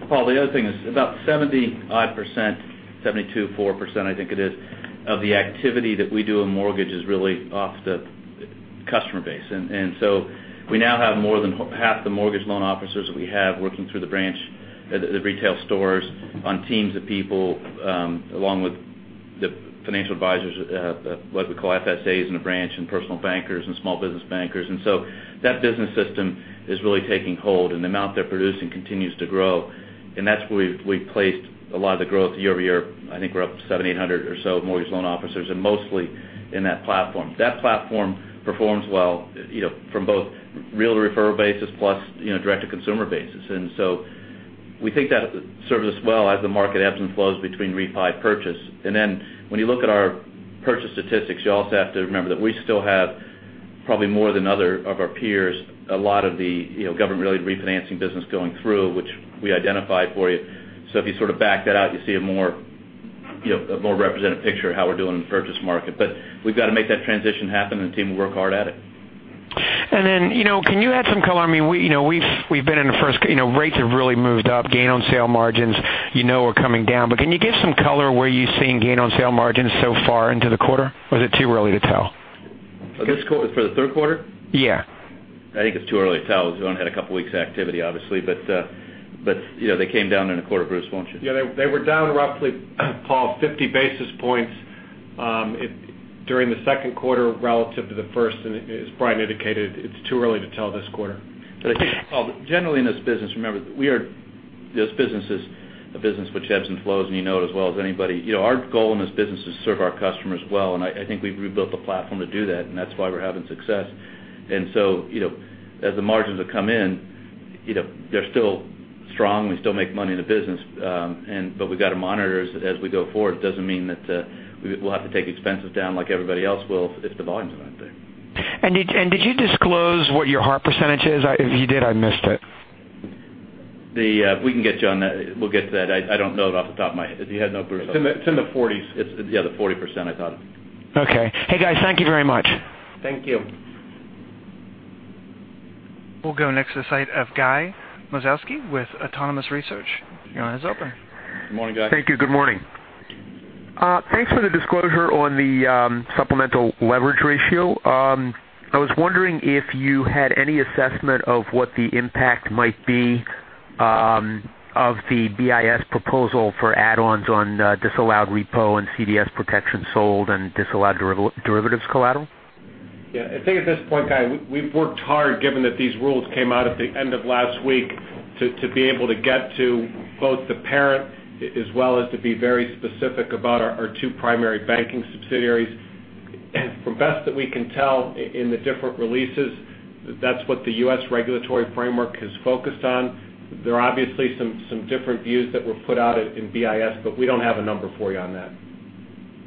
Paul, the other thing is about 70-odd%, 72.4% I think it is, of the activity that we do in mortgage is really off the customer base. We now have more than half the mortgage loan officers that we have working through the branch at the retail stores on teams of people, along with the financial advisors, what we call FSAs in a branch, and personal bankers and small business bankers. That business system is really taking hold, the amount they're producing continues to grow. That's where we've placed a lot of the growth year-over-year. I think we're up to 7-800 or so mortgage loan officers, mostly in that platform. That platform performs well from both real referral basis plus direct-to-consumer basis. We think that serves us well as the market ebbs and flows between refi purchase. When you look at our purchase statistics, you also have to remember that we still have probably more than other of our peers, a lot of the government-related refinancing business going through, which we identify for you. If you sort of back that out, you see a more representative picture of how we're doing in the purchase market. We've got to make that transition happen, the team will work hard at it. Can you add some color? Rates have really moved up. Gain on sale margins you know are coming down. Can you give some color where you're seeing gain on sale margins so far into the quarter? Is it too early to tell? For this quarter, for the third quarter? Yeah. I think it's too early to tell because we've only had a couple of weeks of activity, obviously. They came down in the quarter. Bruce, why don't you- Yeah, they were down roughly, Paul, 50 basis points during the second quarter relative to the first. As Brian indicated, it's too early to tell this quarter. I think, Paul, generally in this business, remember this business is a business which ebbs and flows, and you know it as well as anybody. Our goal in this business is to serve our customers well, and I think we've rebuilt the platform to do that, and that's why we're having success. As the margins have come in, they're still strong. We still make money in the business. We've got to monitor as we go forward. It doesn't mean that we'll have to take expenses down like everybody else will if the volumes are not there. Did you disclose what your HARP % is? If you did, I missed it. We can get you on that. We'll get to that. I don't know it off the top of my head. It's in the 40s. Yeah, the 40%, I thought. Okay. Hey, guys. Thank you very much. Thank you. We'll go next to the line of Guy Moszkowski with Autonomous Research. Your line is open. Good morning, Guy. Thank you. Good morning. Thanks for the disclosure on the supplemental leverage ratio. I was wondering if you had any assessment of what the impact might be of the BIS proposal for add-ons on disallowed repo and CDS protection sold and disallowed derivatives collateral. Yeah. I think at this point, Guy, we've worked hard, given that these rules came out at the end of last week, to be able to get to both the parent as well as to be very specific about our two primary banking subsidiaries. From best that we can tell in the different releases, that's what the U.S. regulatory framework has focused on. There are obviously some different views that were put out in BIS, but we don't have a number for you on that.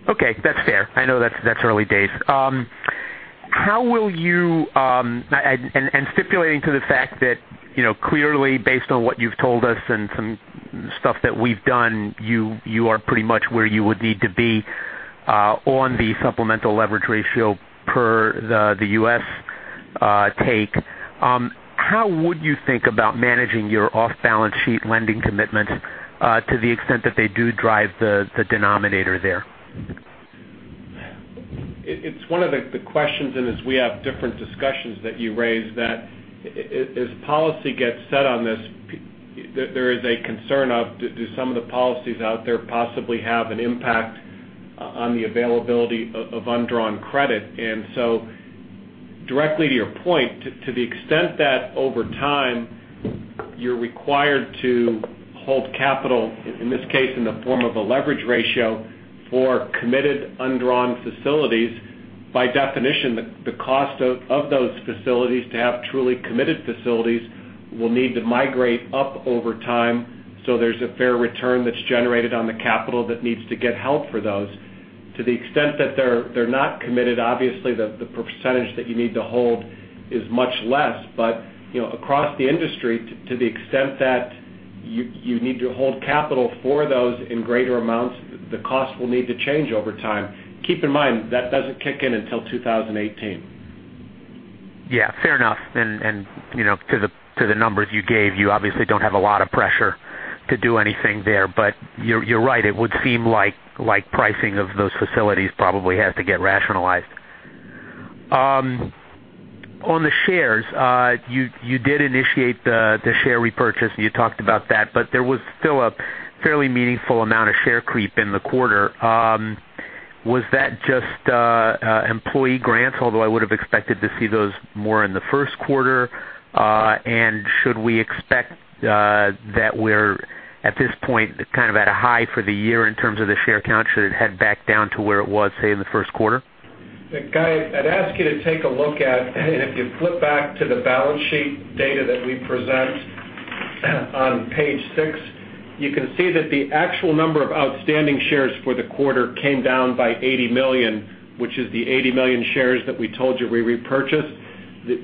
Okay. That's fair. I know that's early days. Stipulating to the fact that, clearly, based on what you've told us and some stuff that we've done, you are pretty much where you would need to be on the supplemental leverage ratio per the U.S. take. How would you think about managing your off-balance sheet lending commitments to the extent that they do drive the denominator there? It's one of the questions, as we have different discussions that you raise, that as policy gets set on this, there is a concern of, do some of the policies out there possibly have an impact on the availability of undrawn credit? Directly to your point, to the extent that over time you're required to hold capital, in this case in the form of a leverage ratio for committed undrawn facilities, by definition, the cost of those facilities to have truly committed facilities will need to migrate up over time. There's a fair return that's generated on the capital that needs to get held for those. To the extent that they're not committed, obviously, the percentage that you need to hold is much less. Across the industry, to the extent that you need to hold capital for those in greater amounts, the cost will need to change over time. Keep in mind, that doesn't kick in until 2018. Yeah, fair enough. To the numbers you gave, you obviously don't have a lot of pressure to do anything there. You're right. It would seem like pricing of those facilities probably has to get rationalized. On the shares, you did initiate the share repurchase, and you talked about that, but there was still a fairly meaningful amount of share creep in the quarter. Was that just employee grants? Although I would have expected to see those more in the first quarter. Should we expect that we're, at this point, kind of at a high for the year in terms of the share count? Should it head back down to where it was, say, in the first quarter? Guy, I'd ask you to take a look at, if you flip back to the balance sheet data that we present on page six, you can see that the actual number of outstanding shares for the quarter came down by 80 million, which is the 80 million shares that we told you we repurchased.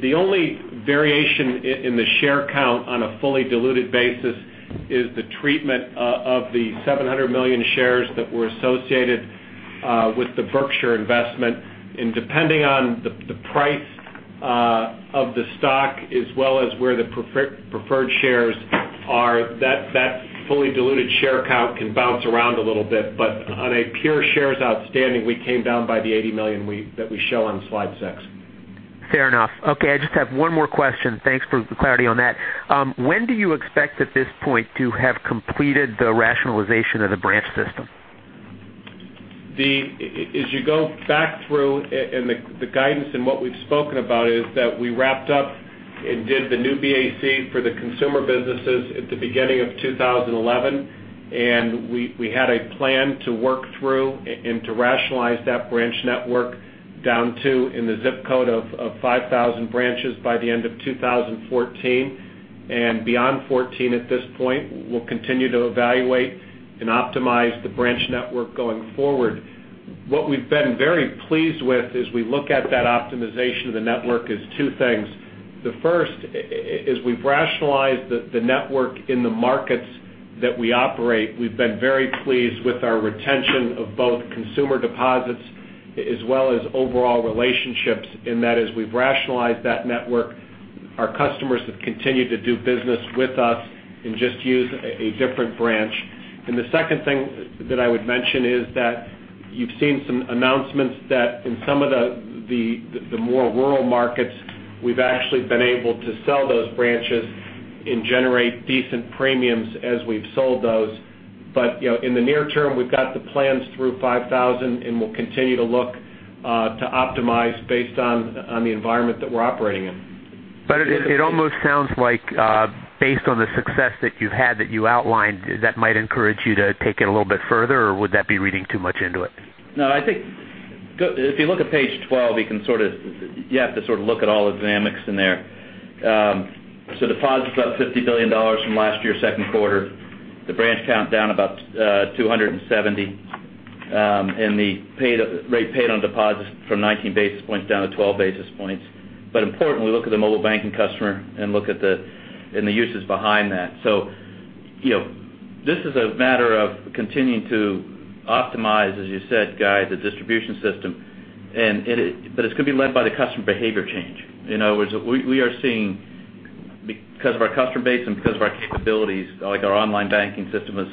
The only variation in the share count on a fully diluted basis is the treatment of the 700 million shares that were associated with the Berkshire investment. Depending on the price of the stock as well as where the preferred shares are, that fully diluted share count can bounce around a little bit. On a pure shares outstanding, we came down by the 80 million that we show on slide six. Fair enough. Okay. I just have one more question. Thanks for the clarity on that. When do you expect, at this point, to have completed the rationalization of the branch system? We wrapped up and did the new BAC for the consumer businesses at the beginning of 2011. We had a plan to work through and to rationalize that branch network down to, in the ZIP code of 5,000 branches by the end of 2014. Beyond 2014, at this point, we'll continue to evaluate and optimize the branch network going forward. What we've been very pleased with as we look at that optimization of the network is two things. The first is we've rationalized the network in the markets that we operate. We've been very pleased with our retention of both consumer deposits as well as overall relationships in that as we've rationalized that network, our customers have continued to do business with us and just use a different branch. The second thing that I would mention is that you've seen some announcements that in some of the more rural markets, we've actually been able to sell those branches and generate decent premiums as we've sold those. In the near term, we've got the plans through 5,000, and we'll continue to look to optimize based on the environment that we're operating in. It almost sounds like based on the success that you've had, that you outlined, that might encourage you to take it a little bit further, or would that be reading too much into it? No, I think if you look at page 12, you have to sort of look at all the dynamics in there. Deposits, about $50 billion from last year, second quarter. The branch count down about 270. The rate paid on deposits from 19 basis points down to 12 basis points. Importantly, we look at the mobile banking customer and look at the uses behind that. This is a matter of continuing to optimize, as you said, Guy, the distribution system. It's going to be led by the customer behavior change. We are seeing because of our customer base and because of our capabilities, like our online banking system is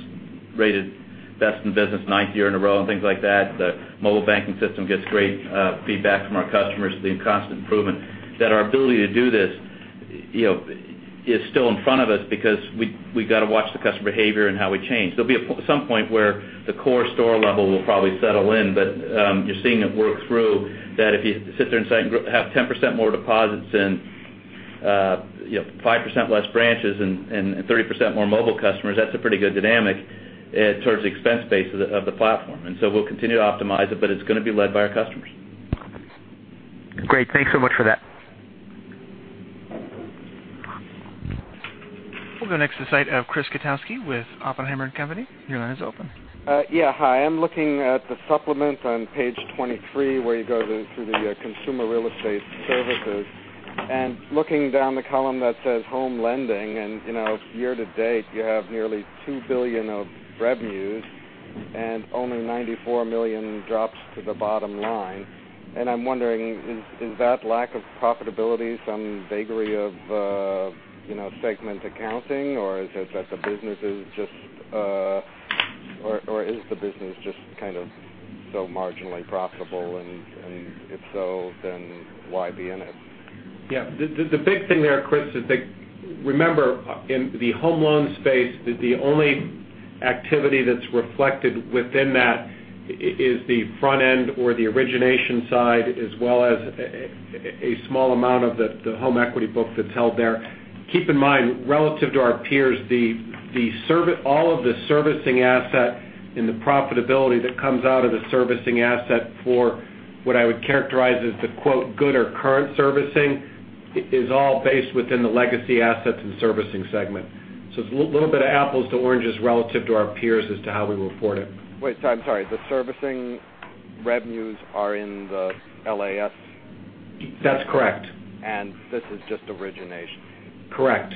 rated best in business ninth year in a row and things like that. The mobile banking system gets great feedback from our customers, being constant improvement, that our ability to do this is still in front of us because we've got to watch the customer behavior and how we change. There'll be some point where the core store level will probably settle in, but you're seeing it work through that if you sit there and have 10% more deposits in, 5% less branches and 30% more mobile customers, that's a pretty good dynamic towards the expense base of the platform. We'll continue to optimize it, but it's going to be led by our customers. Great. Thanks so much for that. We'll go next to the line of Chris Kotowski with Oppenheimer and Company. Your line is open. Hi. I'm looking at the supplement on page 23, where you go through the Consumer Real Estate Services, looking down the column that says home lending, year to date, you have nearly $2 billion of revenues, and only $94 million drops to the bottom line. I'm wondering, is that lack of profitability some vagary of segment accounting, or is the business just kind of so marginally profitable? If so, then why be in it? Yeah. The big thing there, Chris, is that remember, in the home loan space, the only activity that's reflected within that is the front end or the origination side, as well as a small amount of the home equity book that's held there. Keep in mind, relative to our peers, all of the servicing asset and the profitability that comes out of the servicing asset for what I would characterize as the quote, "good or current servicing," is all based within the Legacy Assets and Servicing segment. It's a little bit of apples to oranges relative to our peers as to how we report it. Wait, I'm sorry. The servicing revenues are in the LAS? That's correct. This is just origination. Correct.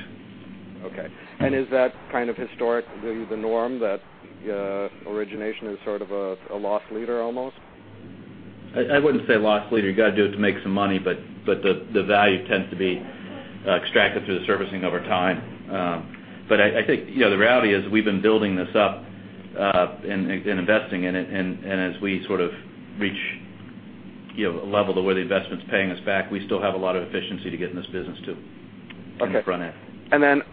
Okay. Is that kind of historic, the norm that origination is sort of a loss leader almost? I wouldn't say loss leader. You got to do it to make some money, but the value tends to be extracted through the servicing over time. I think the reality is we've been building this up and investing in it, and as we sort of reach a level to where the investment's paying us back, we still have a lot of efficiency to get in this business, too. Okay. On the front end.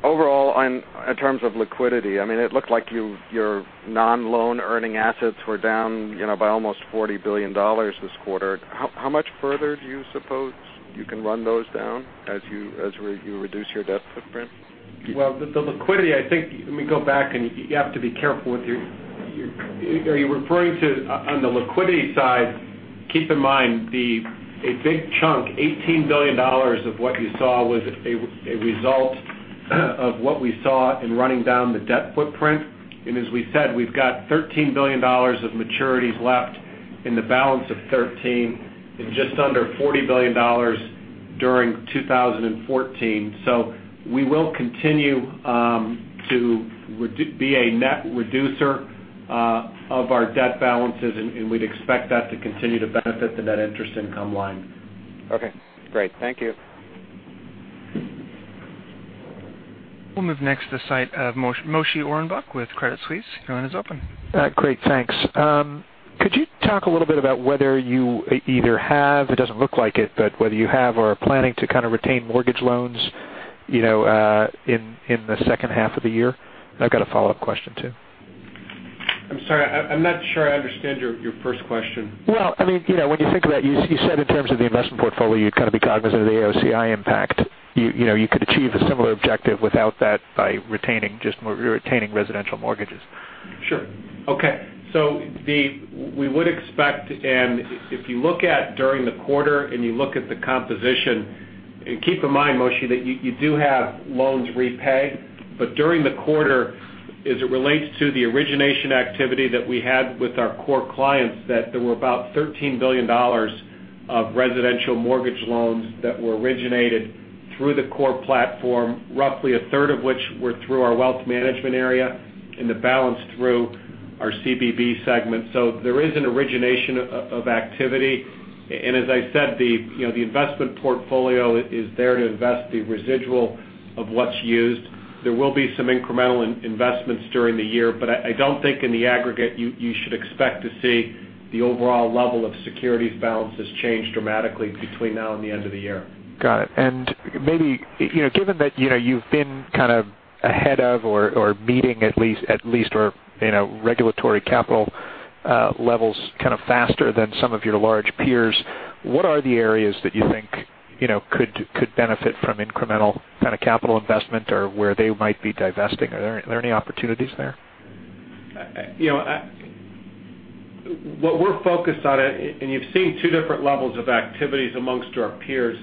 Overall, in terms of liquidity, it looked like your non-loan earning assets were down by almost $40 billion this quarter. How much further do you suppose you can run those down as you reduce your debt footprint? The liquidity, I think, let me go back, and you have to be careful with your, are you referring to on the liquidity side, keep in mind, a big chunk, $18 billion of what you saw was a result of what we saw in running down the debt footprint. As we said, we've got $13 billion of maturities left in the balance of 2013 and just under $40 billion during 2014. We will continue to be a net reducer of our debt balances, and we'd expect that to continue to benefit the net interest income line. Okay, great. Thank you. We'll move next to the site of Moshe Orenbuch with Credit Suisse. Your line is open. Great. Thanks. Could you talk a little bit about whether you either have, it doesn't look like it, but whether you have or are planning to kind of retain mortgage loans in the second half of the year? I've got a follow-up question, too. I'm sorry. I'm not sure I understand your first question. Well, when you think about, you said in terms of the investment portfolio, you'd kind of be cognizant of the AOCI impact. You could achieve a similar objective without that by just retaining residential mortgages. Sure. Okay. We would expect, and if you look at during the quarter and you look at the composition, and keep in mind, Moshe, that you do have loans repaid, but during the quarter, as it relates to the origination activity that we had with our core clients, that there were about $13 billion of residential mortgage loans that were originated through the core platform, roughly a third of which were through our wealth management area and the balance through our CBB segment. There is an origination of activity. As I said, the investment portfolio is there to invest the residual of what's used. There will be some incremental investments during the year, but I don't think in the aggregate you should expect to see the overall level of securities balances change dramatically between now and the end of the year. Got it. Maybe, given that you've been kind of ahead of or meeting at least regulatory capital levels kind of faster than some of your large peers, what are the areas that you think could benefit from incremental kind of capital investment or where they might be divesting? Are there any opportunities there? What we're focused on, you've seen two different levels of activities amongst our peers.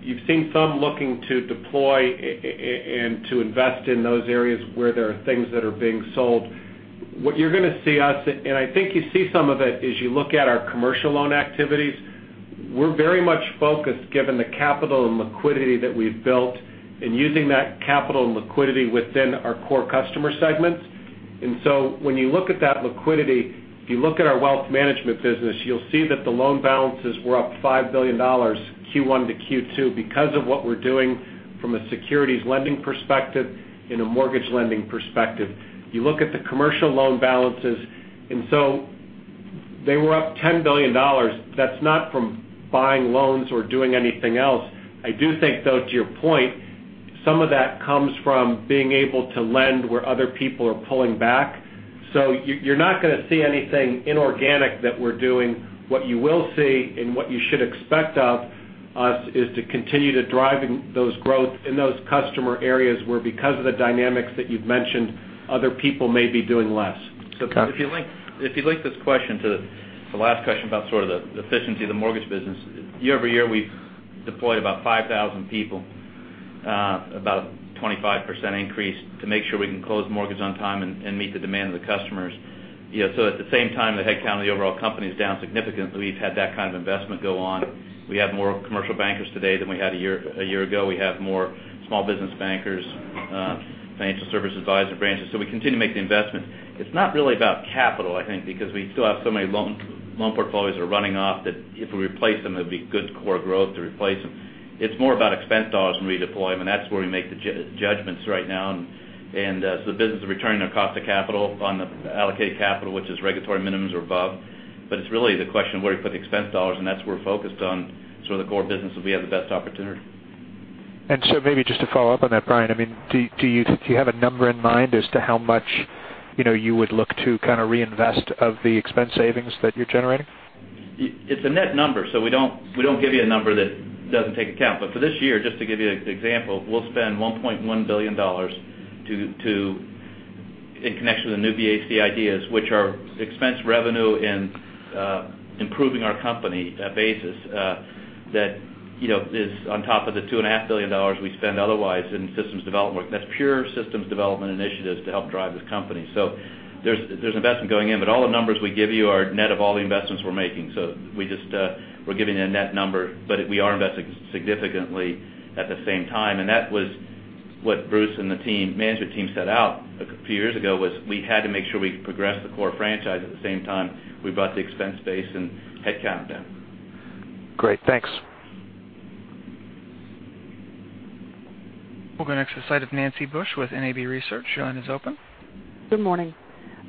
You've seen some looking to deploy and to invest in those areas where there are things that are being sold. What you're going to see us, and I think you see some of it as you look at our commercial loan activities, we're very much focused, given the capital and liquidity that we've built, in using that capital and liquidity within our core customer segments. When you look at that liquidity, if you look at our wealth management business, you'll see that the loan balances were up $5 billion Q1 to Q2 because of what we're doing from a securities lending perspective and a mortgage lending perspective. You look at the commercial loan balances, they were up $10 billion. That's not from buying loans or doing anything else. I do think, though, to your point, some of that comes from being able to lend where other people are pulling back. You're not going to see anything inorganic that we're doing. What you will see and what you should expect of us is to continue to drive those growth in those customer areas where, because of the dynamics that you've mentioned, other people may be doing less. If you link this question to the last question about sort of the efficiency of the mortgage business, year-over-year, we've deployed about 5,000 people, about a 25% increase, to make sure we can close mortgage on time and meet the demand of the customers. At the same time, the headcount of the overall company is down significantly. We've had that kind of investment go on. We have more commercial bankers today than we had a year ago. We have more small business bankers, Financial Solutions Advisors at branches. We continue to make the investment. It's not really about capital, I think, because we still have so many loan portfolios that are running off that if we replace them, it'd be good core growth to replace them. It's more about expense dollars and redeployment. That's where we make the judgments right now. The business is returning on cost of capital on the allocated capital, which is regulatory minimums or above. It's really the question of where do you put the expense dollars, and that's where we're focused on sort of the core business where we have the best opportunity. Maybe just to follow up on that, Brian, do you have a number in mind as to how much you would look to kind of reinvest of the expense savings that you're generating? It's a net number, we don't give you a number that doesn't take account. For this year, just to give you an example, we'll spend $1.1 billion in connection with the New BAC ideas, which are expense revenue and improving our company basis. That is on top of the $2.5 billion we spend otherwise in systems development. That's pure systems development initiatives to help drive this company. There's investment going in. All the numbers we give you are net of all the investments we're making. We're giving a net number. We are investing significantly at the same time. That was what Bruce and the management team set out a few years ago, was we had to make sure we progressed the core franchise at the same time we brought the expense base and headcount down. Great. Thanks. We'll go next to the side of Nancy Bush with NAB Research. Your line is open. Good morning.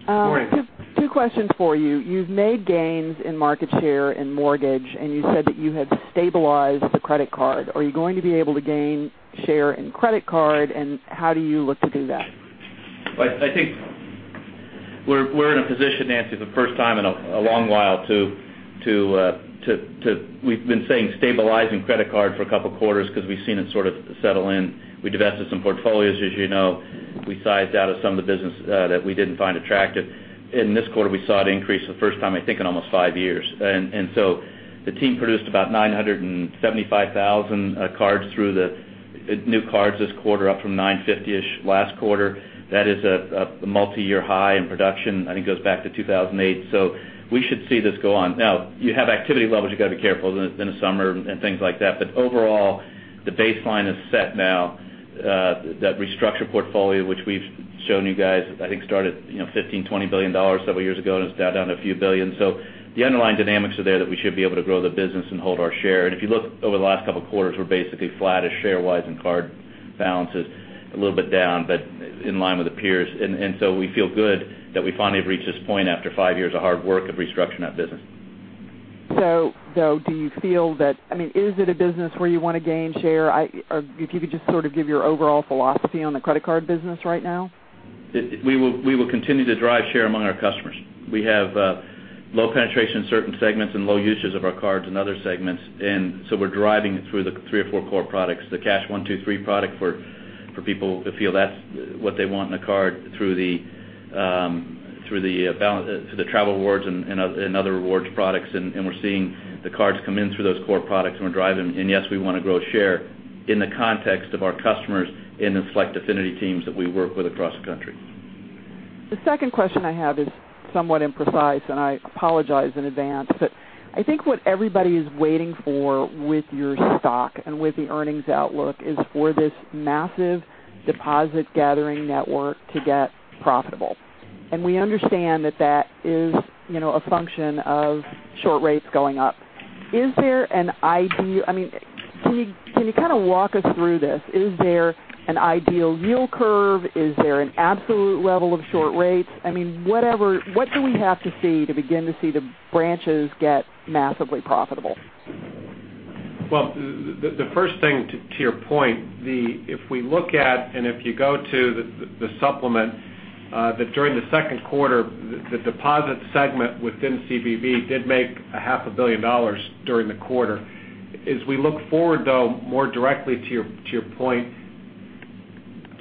Morning. Two questions for you. You've made gains in market share in mortgage, and you said that you had stabilized the credit card. Are you going to be able to gain share in credit card, and how do you look to do that? I think we're in a position, Nancy, for the first time in a long while. We've been saying stabilizing credit card for a couple of quarters because we've seen it sort of settle in. We divested some portfolios, as you know. We sized out of some of the business that we didn't find attractive. In this quarter, we saw it increase for the first time, I think, in almost five years. The team produced about 975,000 cards through the new cards this quarter, up from 950-ish last quarter. That is a multiyear high in production. I think it goes back to 2008. We should see this go on. You have activity levels you've got to be careful within the summer and things like that. Overall, the baseline is set now. That restructured portfolio, which we've shown you guys, I think, started $15 billion, $20 billion several years ago, and it's now down to a few billion. The underlying dynamics are there that we should be able to grow the business and hold our share. If you look over the last couple of quarters, we're basically flat-ish share-wise in card balances, a little bit down, but in line with the peers. We feel good that we finally have reached this point after five years of hard work of restructuring that business. Though, do you feel that is it a business where you want to gain share? If you could just sort of give your overall philosophy on the credit card business right now. We will continue to drive share among our customers. We have low penetration in certain segments and low usage of our cards in other segments, and so we're driving it through the three or four core products. The Cash 123 product for people who feel that's what they want in a card through the travel rewards and other rewards products. We're seeing the cards come in through those core products, and we're driving. Yes, we want to grow share in the context of our customers in the select affinity teams that we work with across the country. The second question I have is somewhat imprecise, and I apologize in advance. I think what everybody is waiting for with your stock and with the earnings outlook is for this massive deposit gathering network to get profitable. We understand that that is a function of short rates going up. Can you kind of walk us through this? Is there an ideal yield curve? Is there an absolute level of short rates? What do we have to see to begin to see the branches get massively profitable? Well, the first thing to your point, if we look at and if you go to the supplement, that during the second quarter, the deposit segment within CBB did make a half a billion dollars during the quarter, as we look forward, though, more directly to your point.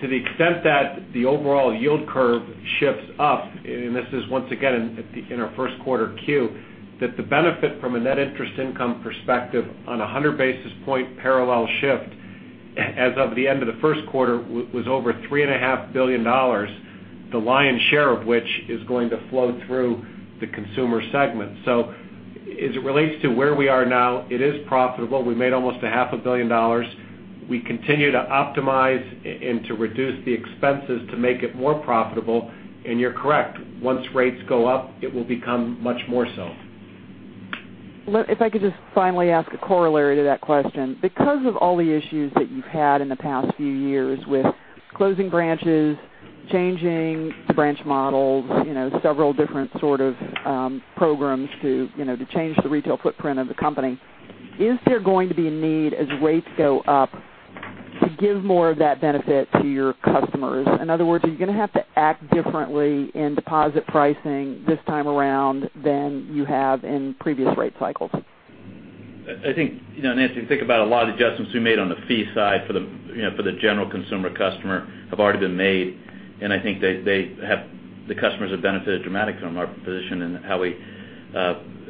To the extent that the overall yield curve shifts up, this is once again in our first quarter 10-Q, that the benefit from a net interest income perspective on 100 basis point parallel shift as of the end of the first quarter was over $3.5 billion, the lion's share of which is going to flow through the consumer segment. As it relates to where we are now, it is profitable. We made almost a half a billion dollars. We continue to optimize and to reduce the expenses to make it more profitable. You're correct, once rates go up, it will become much more so. If I could just finally ask a corollary to that question. Because of all the issues that you've had in the past few years with closing branches, changing the branch models, several different sort of programs to change the retail footprint of the company, is there going to be a need as rates go up to give more of that benefit to your customers? In other words, are you going to have to act differently in deposit pricing this time around than you have in previous rate cycles? I think, Nancy, think about a lot of the adjustments we made on the fee side for the general consumer customer have already been made, and I think the customers have benefited dramatically from our position in how we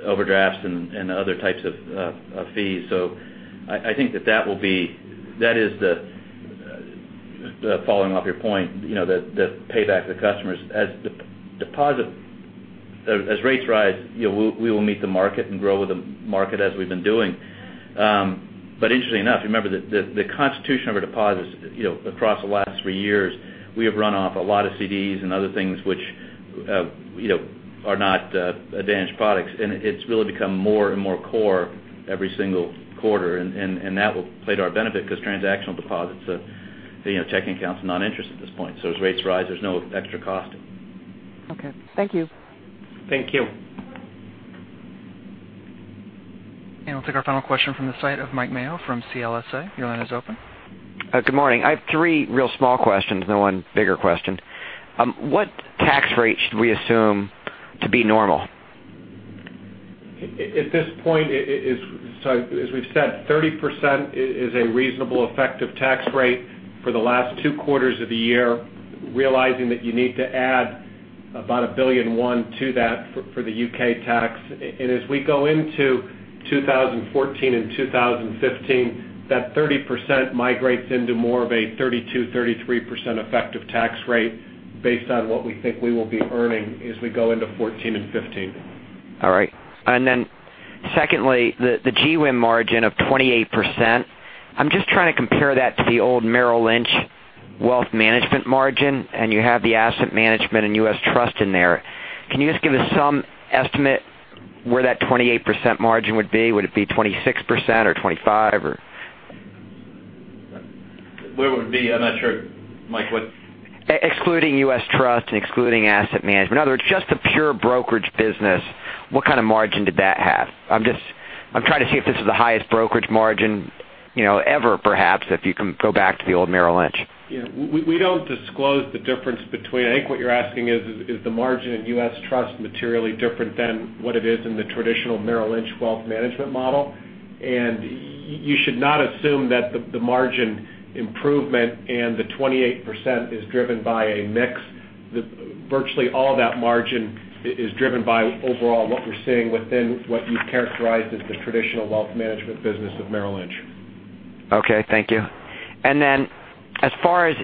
overdraft and other types of fees. I think following off your point, the payback to the customers. As rates rise, we will meet the market and grow with the market as we've been doing. Interestingly enough, remember that the constitution of our deposits across the last three years, we have run off a lot of CDs and other things which are not advantaged products, and it's really become more and more core every single quarter, and that will play to our benefit because transactional deposits, checking accounts, non-interest at this point. As rates rise, there's no extra costing. Okay. Thank you. Thank you. We'll take our final question from the site of Mike Mayo from CLSA. Your line is open. Good morning. I have three real small questions and then one bigger question. What tax rate should we assume to be normal? At this point, as we've said, 30% is a reasonable effective tax rate for the last two quarters of the year, realizing that you need to add about $1.1 billion to that for the U.K. tax. As we go into 2014 and 2015, that 30% migrates into more of a 32%-33% effective tax rate based on what we think we will be earning as we go into 2014 and 2015. All right. Secondly, the GWIM margin of 28%. I'm just trying to compare that to the old Merrill Lynch wealth management margin, and you have the asset management and U.S. Trust in there. Can you just give us some estimate where that 28% margin would be? Would it be 26% or 25%? Where it would be? I'm not sure, Mike. Excluding U.S. Trust and excluding asset management. In other words, just the pure brokerage business, what kind of margin did that have? I'm trying to see if this is the highest brokerage margin ever, perhaps, if you can go back to the old Merrill Lynch. We don't disclose the difference between I think what you're asking is the margin in U.S. Trust materially different than what it is in the traditional Merrill Lynch Wealth Management model? You should not assume that the margin improvement and the 28% is driven by a mix. Virtually all of that margin is driven by overall what we're seeing within what you've characterized as the traditional Wealth Management business of Merrill Lynch. Okay. Thank you. As far as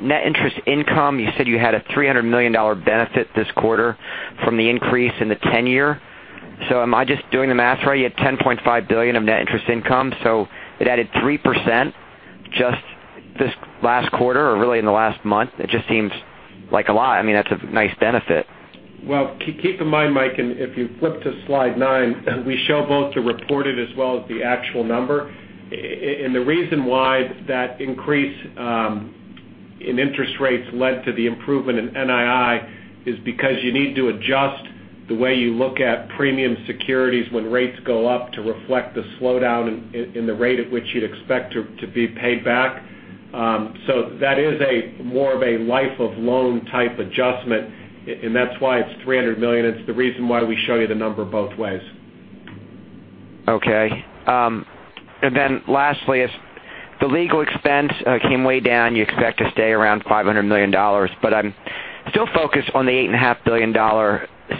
net interest income, you said you had a $300 million benefit this quarter from the increase in the 10-year. Am I just doing the math right? You had $10.5 billion of net interest income, it added 3% just this last quarter or really in the last month. It just seems like a lot. I mean, that's a nice benefit. Well, keep in mind, Mike, if you flip to slide nine, we show both the reported as well as the actual number. The reason why that increase in interest rates led to the improvement in NII is because you need to adjust the way you look at premium securities when rates go up to reflect the slowdown in the rate at which you'd expect to be paid back. That is more of a life of loan type adjustment, and that's why it's $300 million. It's the reason why we show you the number both ways. Okay. Lastly, the legal expense came way down. You expect to stay around $500 million, I'm still focused on the $8.5 billion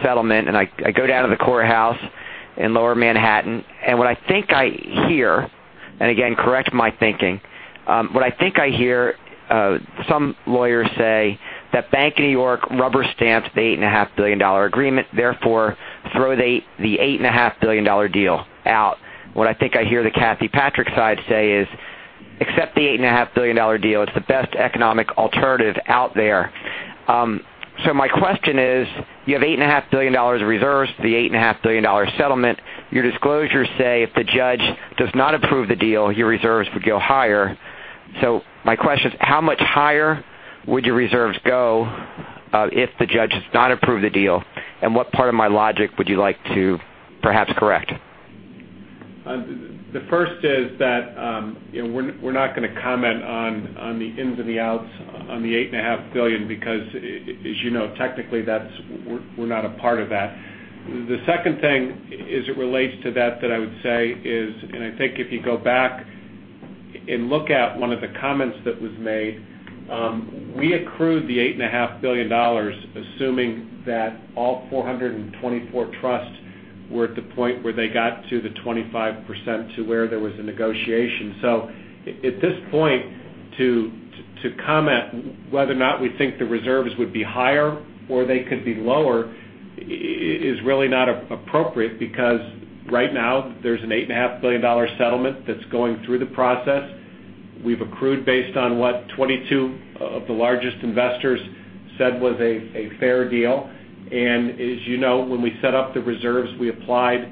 settlement, I go down to the courthouse in Lower Manhattan, what I think I hear, and again, correct my thinking. What I think I hear some lawyers say that Bank of New York rubber-stamped the $8.5 billion agreement, therefore throw the $8.5 billion deal out. What I think I hear the Kathy Patrick side say is, accept the $8.5 billion deal. It's the best economic alternative out there. My question is, you have $8.5 billion in reserves for the $8.5 billion settlement. Your disclosures say if the judge does not approve the deal, your reserves would go higher. My question is, how much higher would your reserves go if the judge does not approve the deal? What part of my logic would you like to perhaps correct? The first is that we're not going to comment on the ins and the outs on the $8.5 billion because, as you know, technically we're not a part of that. The second thing as it relates to that I would say is, I think if you go back and look at one of the comments that was made, we accrued the $8.5 billion assuming that all 424 trusts were at the point where they got to the 25% to where there was a negotiation. At this point, to comment whether or not we think the reserves would be higher or they could be lower is really not appropriate because right now there's an $8.5 billion settlement that's going through the process. We've accrued based on what 22 of the largest investors said was a fair deal. As you know, when we set up the reserves, we applied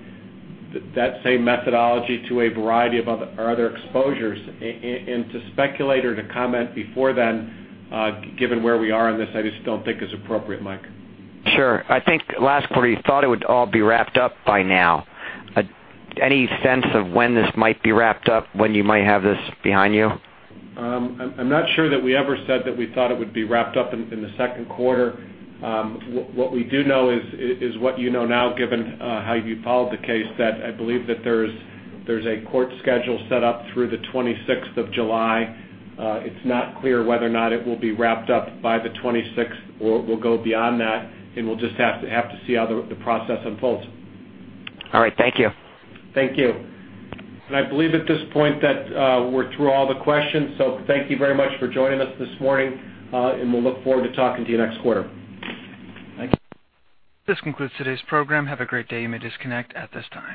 that same methodology to a variety of our other exposures. To speculate or to comment before then, given where we are on this, I just don't think is appropriate, Mike. Sure. I think last quarter you thought it would all be wrapped up by now. Any sense of when this might be wrapped up, when you might have this behind you? I'm not sure that we ever said that we thought it would be wrapped up in the second quarter. What we do know is what you know now, given how you followed the case, that I believe that there's a court schedule set up through the 26th of July. It's not clear whether or not it will be wrapped up by the 26th or will go beyond that, and we'll just have to see how the process unfolds. All right. Thank you. Thank you. I believe at this point that we're through all the questions. Thank you very much for joining us this morning, and we'll look forward to talking to you next quarter. Thank you. This concludes today's program. Have a great day. You may disconnect at this time.